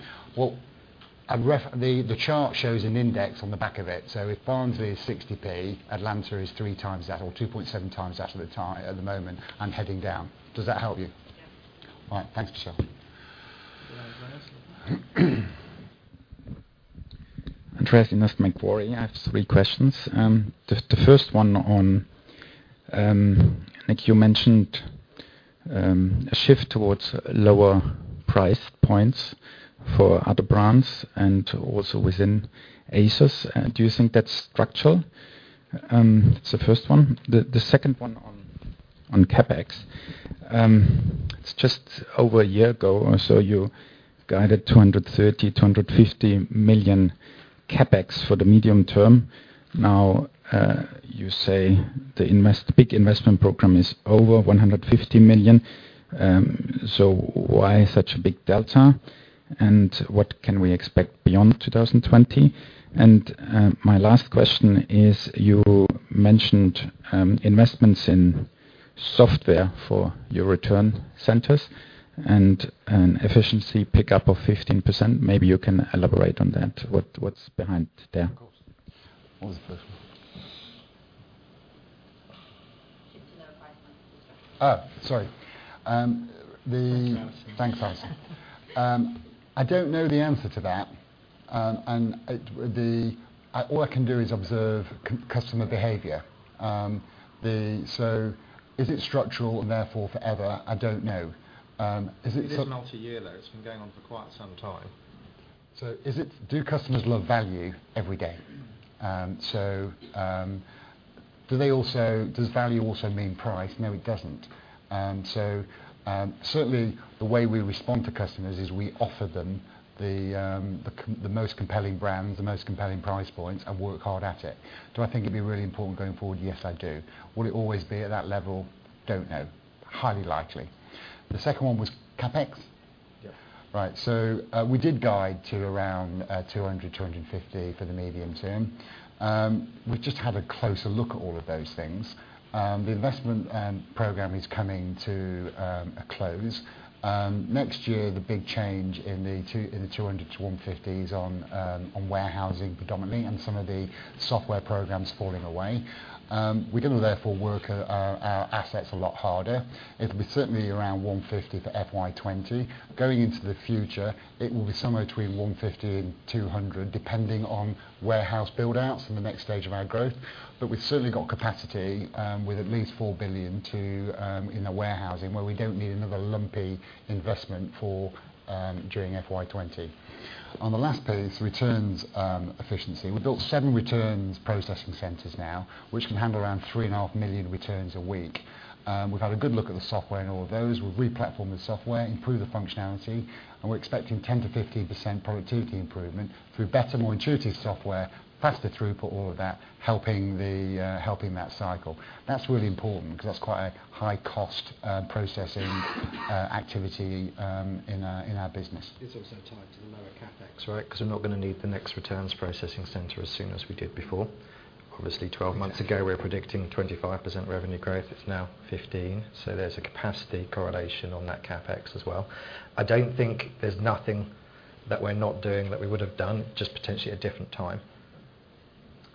The chart shows an index on the back of it. If Barnsley is 0.60, Atlanta is 3x that, or 2.7x at the moment and heading down. Does that help you? Yes. All right. Thanks, Michelle. Andreas? Andreas, Investment Quorum. I have three questions. The first one on, I think you mentioned, a shift towards lower price points for other brands and also within ASOS. Do you think that's structural? That's the first one. The second one on CapEx. It's just over a year ago or so, you guided 230 million-250 million CapEx for the medium term. Now, you say the big investment program is over 150 million. Why such a big delta? What can we expect beyond 2020? My last question is, you mentioned investments in software for your return centers and an efficiency pickup of 15%. Maybe you can elaborate on that. What's behind there? Of course. What was the first one? Shift to the price points was the first one. Oh, sorry. Thanks, Alison. Thanks, Alison. I don't know the answer to that. All I can do is observe customer behavior. Is it structural, therefore forever? I don't know. It is multiyear, though. It's been going on for quite some time. Do customers love value every day? Does value also mean price? No, it doesn't. Certainly, the way we respond to customers is we offer them the most compelling brands, the most compelling price points, and work hard at it. Do I think it'd be really important going forward? Yes, I do. Will it always be at that level? Don't know. Highly likely. The second one was CapEx? Yes. Right. We did guide to around 200-250 for the medium term. We've just had a closer look at all of those things. The investment program is coming to a close. Next year, the big change in the 200-150 is on warehousing predominantly and some of the software programs falling away. We're going to therefore work our assets a lot harder. It'll be certainly around 150 for FY 2020. Going into the future, it will be somewhere between 150 and 200, depending on warehouse build-outs in the next stage of our growth. We've certainly got capacity, with at least 4 billion in the warehousing, where we don't need another lumpy investment during FY 2020. On the last piece, returns efficiency. We built seven returns processing centers now, which can handle around 3.5 million returns a week. We've had a good look at the software in all of those. We've replatformed the software, improved the functionality. We're expecting 10%-15% productivity improvement through better, more intuitive software, faster throughput, all of that, helping that cycle. That's really important because that's quite a high-cost processing activity in our business. It's also tied to the lower CapEx. Right. We're not going to need the next returns processing center as soon as we did before. Obviously, 12 months ago, we were predicting 25% revenue growth. It's now 15%. There's a capacity correlation on that CapEx as well. I don't think there's nothing that we're not doing that we would have done, just potentially a different time.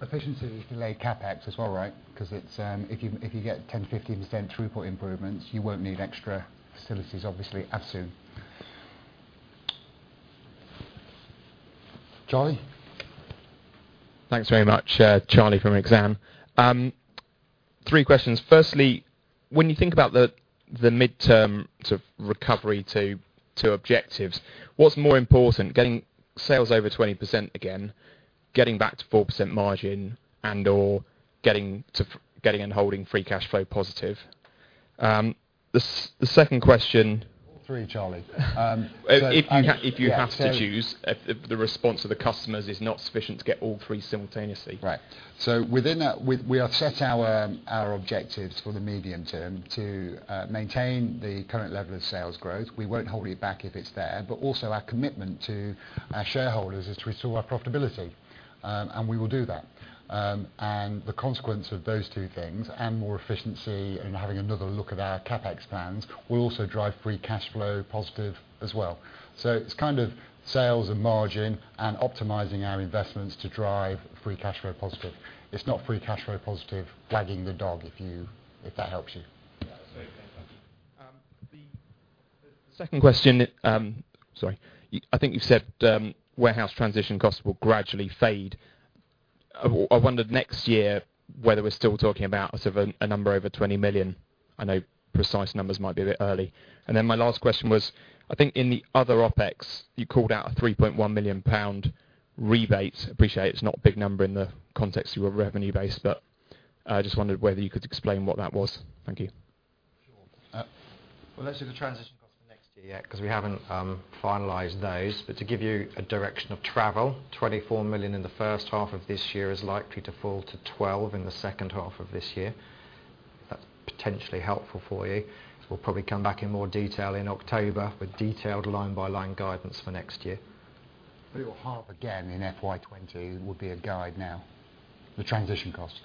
Efficiency can delay CapEx as well, right. If you get 10%-15% throughput improvements, you won't need extra facilities, obviously, as soon. Charlie. Thanks very much. Charlie from Exane. Three questions. Firstly, when you think about the midterm sort of recovery to objectives, what's more important, getting sales over 20% again, getting back to 4% margin and/or getting and holding free cash flow positive? The second question- All three, Charlie. If you have to choose, if the response of the customers is not sufficient to get all three simultaneously. Right. Within that, we have set our objectives for the medium term to maintain the current level of sales growth. We won't hold you back if it's there, but also our commitment to our shareholders is to restore our profitability, and we will do that. The consequence of those two things, and more efficiency and having another look at our CapEx plans, will also drive free cash flow positive as well. It's kind of sales and margin and optimizing our investments to drive free cash flow positive. It's not free cash flow positive, lagging the dog, if that helps you. Yeah. Second question. Sorry. I think you said warehouse transition costs will gradually fade. I wondered next year whether we're still talking about a number over 20 million. I know precise numbers might be a bit early. Then my last question was, I think in the other OpEx, you called out a 3.1 million pound rebate. Appreciate it's not a big number in the context of your revenue base, but I just wondered whether you could explain what that was. Thank you. Sure. Well, let's see the transition cost for next year yet, because we haven't finalized those. To give you a direction of travel, 24 million in the first half of this year is likely to fall to 12 million in the second half of this year. That's potentially helpful for you. We'll probably come back in more detail in October with detailed line-by-line guidance for next year. It'll halve again in FY 2020 would be a guide now, the transition cost.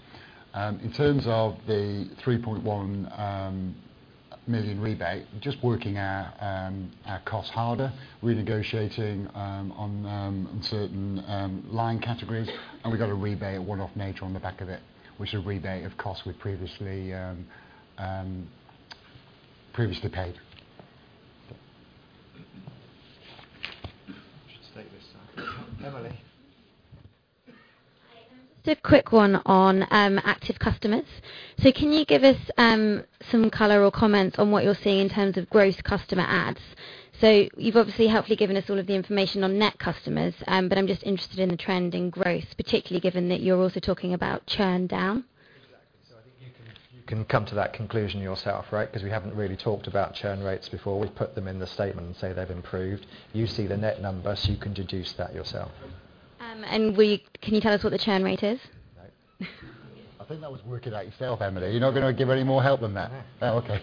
In terms of the 3.1 million rebate, just working our costs harder, renegotiating on certain line categories, and we got a rebate of one-off nature on the back of it, which is a rebate of costs we previously paid. We should take this side. Emily. Hi. Just a quick one on active customers. Can you give us some color or comment on what you're seeing in terms of gross customer adds? You've obviously helpfully given us all of the information on net customers, but I'm just interested in the trend in growth, particularly given that you're also talking about churn down. Exactly. I think you can come to that conclusion yourself, right? We haven't really talked about churn rates before. We've put them in the statement and say they've improved. You see the net number, you can deduce that yourself. Can you tell us what the churn rate is? No. I think that was work it out yourself, Emily. You're not going to give her any more help than that? No. Oh, okay.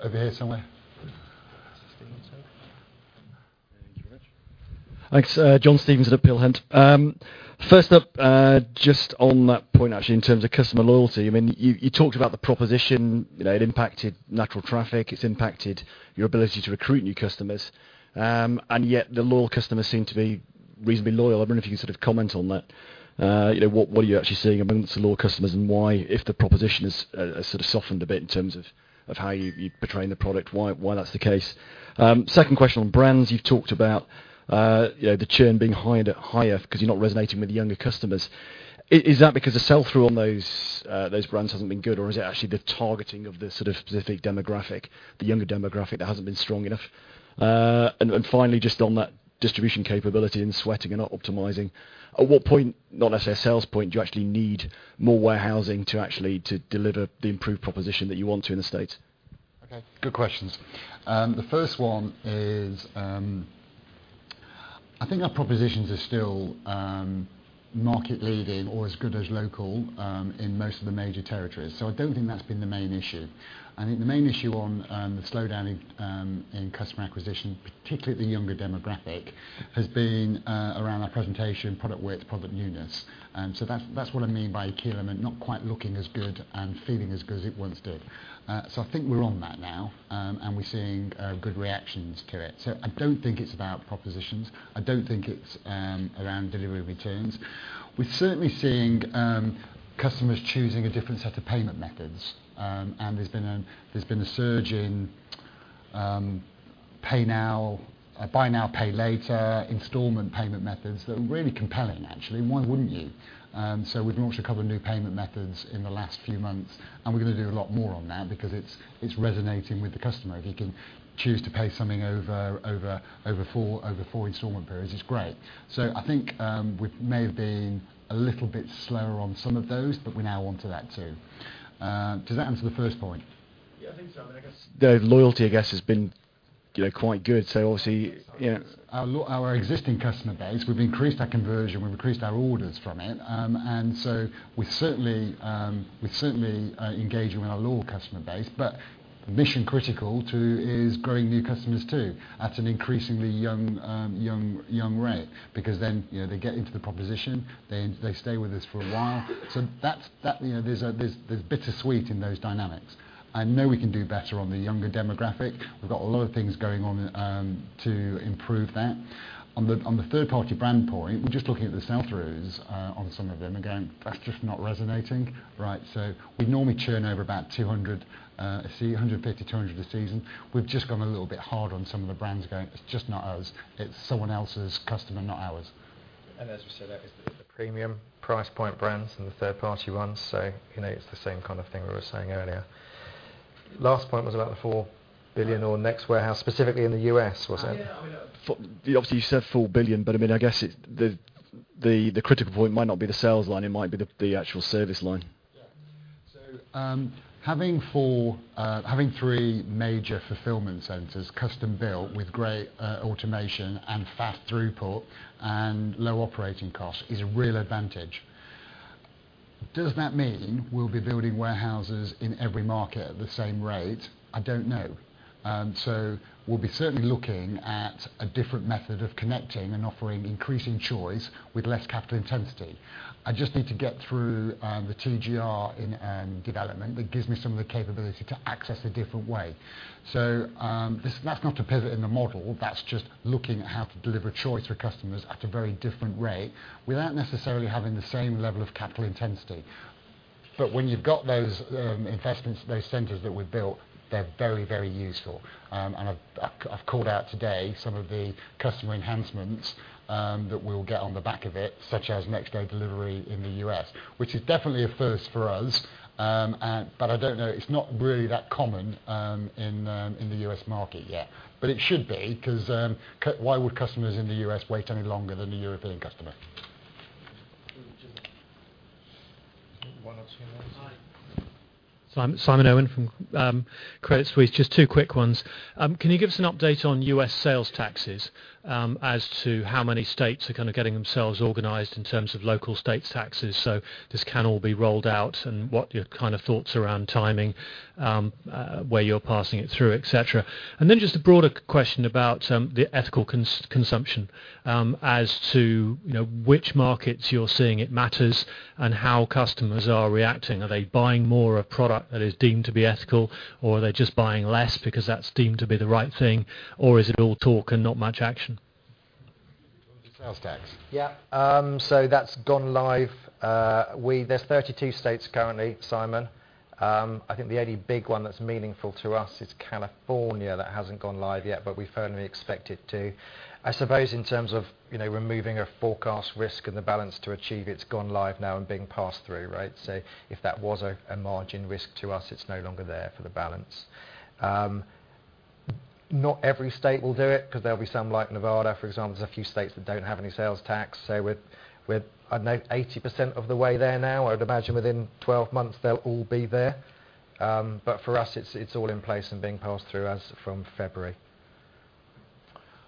Over here somewhere. This is Stevenson, sir. Thanks. John Stevenson at Peel Hunt. First up, just on that point, actually, in terms of customer loyalty, you talked about the proposition, it impacted natural traffic, it's impacted your ability to recruit new customers, and yet the loyal customers seem to be reasonably loyal. I don't know if you can sort of comment on that. What are you actually seeing amongst the loyal customers and why, if the proposition has sort of softened a bit in terms of how you're portraying the product, why that's the case? Second question on brands. You've talked about the churn being higher because you're not resonating with the younger customers. Is that because the sell-through on those brands hasn't been good, or is it actually the targeting of the sort of specific demographic, the younger demographic, that hasn't been strong enough? Just on that distribution capability and sweating and optimizing, at what point, not necessarily a sales point, do you actually need more warehousing to actually deliver the improved proposition that you want to in the States? Okay. Good questions. The first one is, I think our propositions are still market leading or as good as local in most of the major territories. I don't think that's been the main issue. I think the main issue on the slowdown in customer acquisition, particularly the younger demographic, has been around our presentation, product width, product newness. That's what I mean by acumen, not quite looking as good and feeling as good as it once did. I think we're on that now, and we're seeing good reactions to it. I don't think it's about propositions. I don't think it's around delivery returns. We're certainly seeing customers choosing a different set of payment methods, and there's been a surge in Pay now, Buy now, Pay later installment payment methods that are really compelling, actually. Why wouldn't you? We've launched a couple of new payment methods in the last few months, and we're going to do a lot more on that because it's resonating with the customer. If you can choose to pay something over four installment periods, it's great. I think we may have been a little bit slower on some of those, but we're now onto that, too. Does that answer the first point? Yeah, I think so. I guess the loyalty, I guess, has been quite good. Our existing customer base, we've increased our conversion, we've increased our orders from it. We're certainly engaging with our loyal customer base. Mission critical, too, is growing new customers, too, at an increasingly young rate, because then they get into the proposition, they stay with us for a while. There's bittersweet in those dynamics. I know we can do better on the younger demographic. We've got a lot of things going on to improve that. On the third-party brand point, we're just looking at the sell-throughs on some of them. Again, that's just not resonating, right? We normally churn over about 200, say 150, 200 a season. We've just gone a little bit hard on some of the brands going, it's just not us. It's someone else's customer, not ours. As we said, that is the premium price point brands and the third party ones. It's the same kind of thing we were saying earlier. Last point was about the 4 billion or next warehouse specifically in the U.S., was it? Yeah. Obviously, you said 4 billion, I guess the critical point might not be the sales line, it might be the actual service line. Yeah. Having three major fulfillment centers custom built with great automation and fast throughput and low operating costs is a real advantage. Does that mean we'll be building warehouses in every market at the same rate? I don't know. We'll be certainly looking at a different method of connecting and offering increasing choice with less capital intensity. I just need to get through the TGR in development that gives me some of the capability to access a different way. That's not a pivot in the model. That's just looking at how to deliver choice for customers at a very different rate without necessarily having the same level of capital intensity. When you've got those investments, those centers that we've built, they're very, very useful. I've called out today some of the customer enhancements that we'll get on the back of it, such as next-day delivery in the U.S., which is definitely a first for us. I don't know, it's not really that common in the U.S. market yet. It should be, because why would customers in the U.S. wait any longer than the European customer? One or two more. Simon Irwin from Credit Suisse. Just two quick ones. Can you give us an update on U.S. sales taxes, as to how many states are kind of getting themselves organized in terms of local state taxes, so this can all be rolled out, and what your kind of thoughts around timing, where you're passing it through, et cetera? Then just a broader question about the ethical consumption, as to which markets you're seeing it matters, and how customers are reacting. Are they buying more of product that is deemed to be ethical, or are they just buying less because that's deemed to be the right thing? Is it all talk and not much action? Do you want the sales tax? There are 32 states currently, Simon. I think the only big one that is meaningful to us is California. That has not gone live yet, but we firmly expect it to. I suppose in terms of removing a forecast risk in the balance to achieve, it is gone live now and being passed through, right? If that was a margin risk to us, it is no longer there for the balance. Not every state will do it, because there will be some, like Nevada for example, there are a few states that do not have any sales tax. We are, I do not know, 80% of the way there now. I would imagine within 12 months they will all be there. For us, it is all in place and being passed through us from February.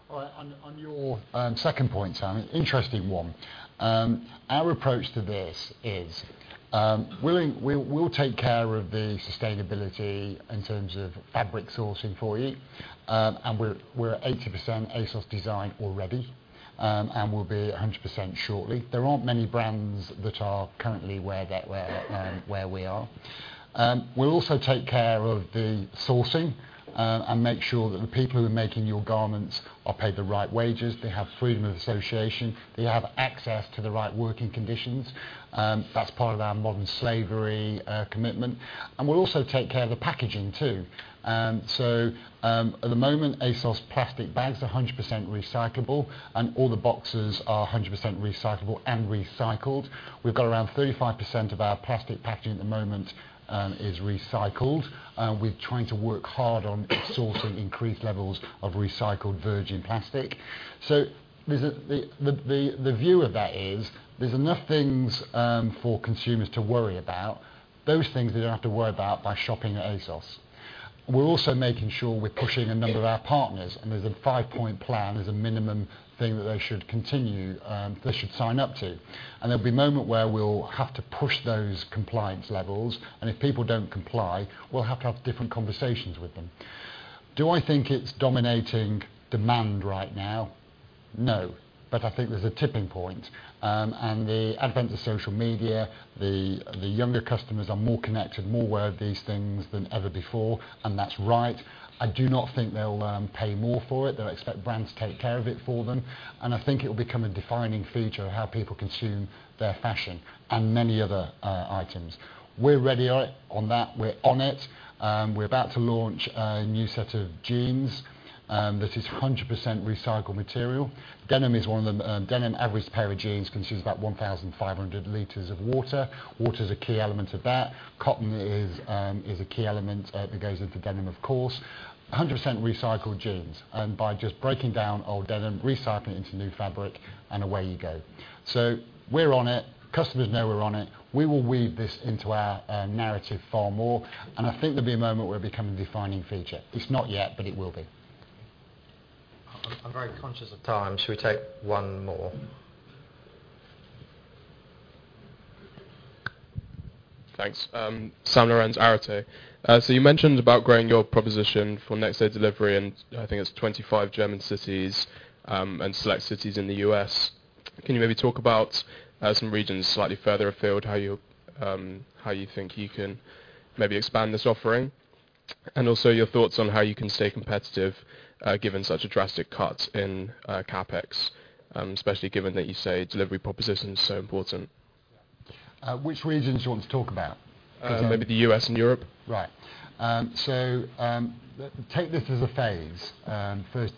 All right, on your second point, Simon, interesting one. Our approach to this is, we will take care of the sustainability in terms of fabric sourcing for you. We are 80% ASOS Design already, and we will be 100% shortly. There are not many brands that are currently where we are. We will also take care of the sourcing, and make sure that the people who are making your garments are paid the right wages, they have freedom of association, they have access to the right working conditions. That is part of our modern slavery commitment. We will also take care of the packaging, too. At the moment, ASOS's plastic bags are 100% recyclable, and all the boxes are 100% recyclable and recycled. We have got around 35% of our plastic packaging at the moment is recycled. We are trying to work hard on sourcing increased levels of recycled virgin plastic. The view of that is, there are enough things for consumers to worry about. Those things they do not have to worry about by shopping at ASOS. We are also making sure we are pushing a number of our partners, and there is a five-point plan as a minimum thing that they should sign up to. There will be a moment where we will have to push those compliance levels, and if people do not comply, we will have to have different conversations with them. Do I think it is dominating demand right now? No. I think there is a tipping point, and the advent of social media, the younger customers are more connected, more aware of these things than ever before, and that is right. I do not think they will pay more for it. They will expect brands to take care of it for them, and I think it will become a defining feature of how people consume their fashion and many other items. We are ready on that. We are on it. We are about to launch a new set of jeans that is 100% recycled material. Denim, an average pair of jeans consumes about 1,500 L of water. Water is a key element of that. Cotton is a key element that goes into denim, of course. 100% recycled jeans, by just breaking down old denim, recycling it into new fabric, and away you go. We are on it. Customers know we are on it. We will weave this into our narrative far more, and I think there will be a moment where it will become a defining feature. It is not yet, but it will be. I'm very conscious of time. Shall we take one more? Thanks. Sam Lourensz, Arete Research. You mentioned about growing your proposition for next-day delivery in, I think it's 25 German cities, and select cities in the U.S. Can you maybe talk about some regions slightly further afield, how you think you can maybe expand this offering? Also, your thoughts on how you can stay competitive given such a drastic cut in CapEx, especially given that you say delivery proposition is so important. Which regions do you want to talk about? Maybe the U.S. and Europe. Take this as a phase. First,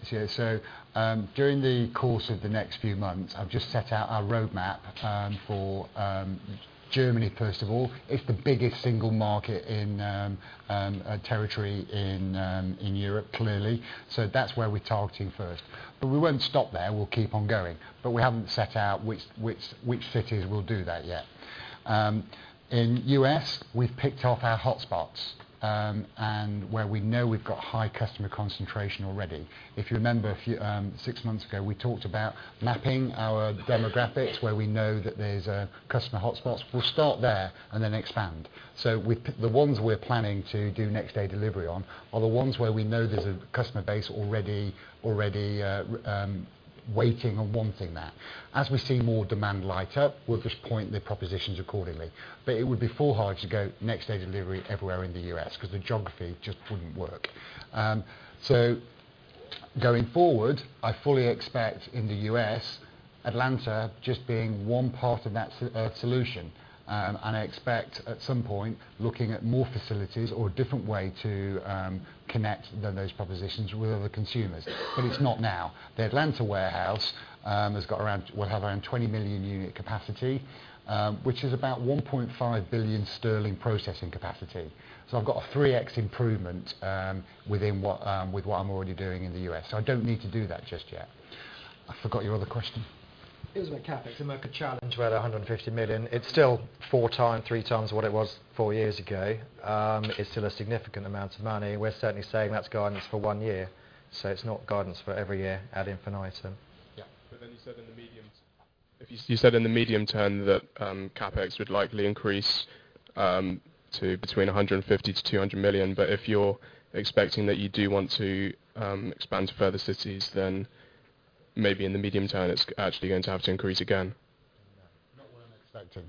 during the course of the next few months, I've just set out our roadmap for Germany, first of all. It's the biggest single market in a territory in Europe, clearly. That's where we talk to you first. We won't stop there. We'll keep on going. We haven't set out which cities we'll do that yet. In the U.S., we've picked off our hotspots, and where we know we've got high customer concentration already. If you remember, six months ago, we talked about mapping our demographics where we know that there's customer hotspots. We'll start there and then expand. The ones we're planning to do next-day delivery on are the ones where we know there's a customer base already waiting and wanting that. As we see more demand light up, we'll just point the propositions accordingly. It would be foolhardy to go next-day delivery everywhere in the U.S., because the geography just wouldn't work. Going forward, I fully expect in the U.S., Atlanta just being one part of that solution. I expect at some point, looking at more facilities or a different way to connect those propositions with other consumers. It's not now. The Atlanta warehouse has got around 20-million-unit capacity, which is about 1.5 billion sterling processing capacity. I've got a 3x improvement with what I'm already doing in the U.S., I don't need to do that just yet. I forgot your other question. It was about CapEx. Look, a challenge. We're at 150 million. It's still four times, three times what it was four years ago. It's still a significant amount of money. We're certainly saying that's guidance for one year, it's not guidance for every year ad infinitum. Yeah. You said in the medium term that CapEx would likely increase to between 150 million-200 million. If you're expecting that you do want to expand to further cities, maybe in the medium term, it's actually going to have to increase again. No, it's not what I'm expecting.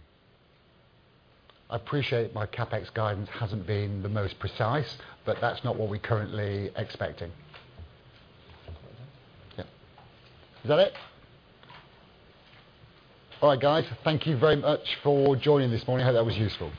I appreciate my CapEx guidance hasn't been the most precise, that's not what we're currently expecting. Sounds like that's it. Yeah. Is that it? All right, guys. Thank you very much for joining this morning. I hope that was useful.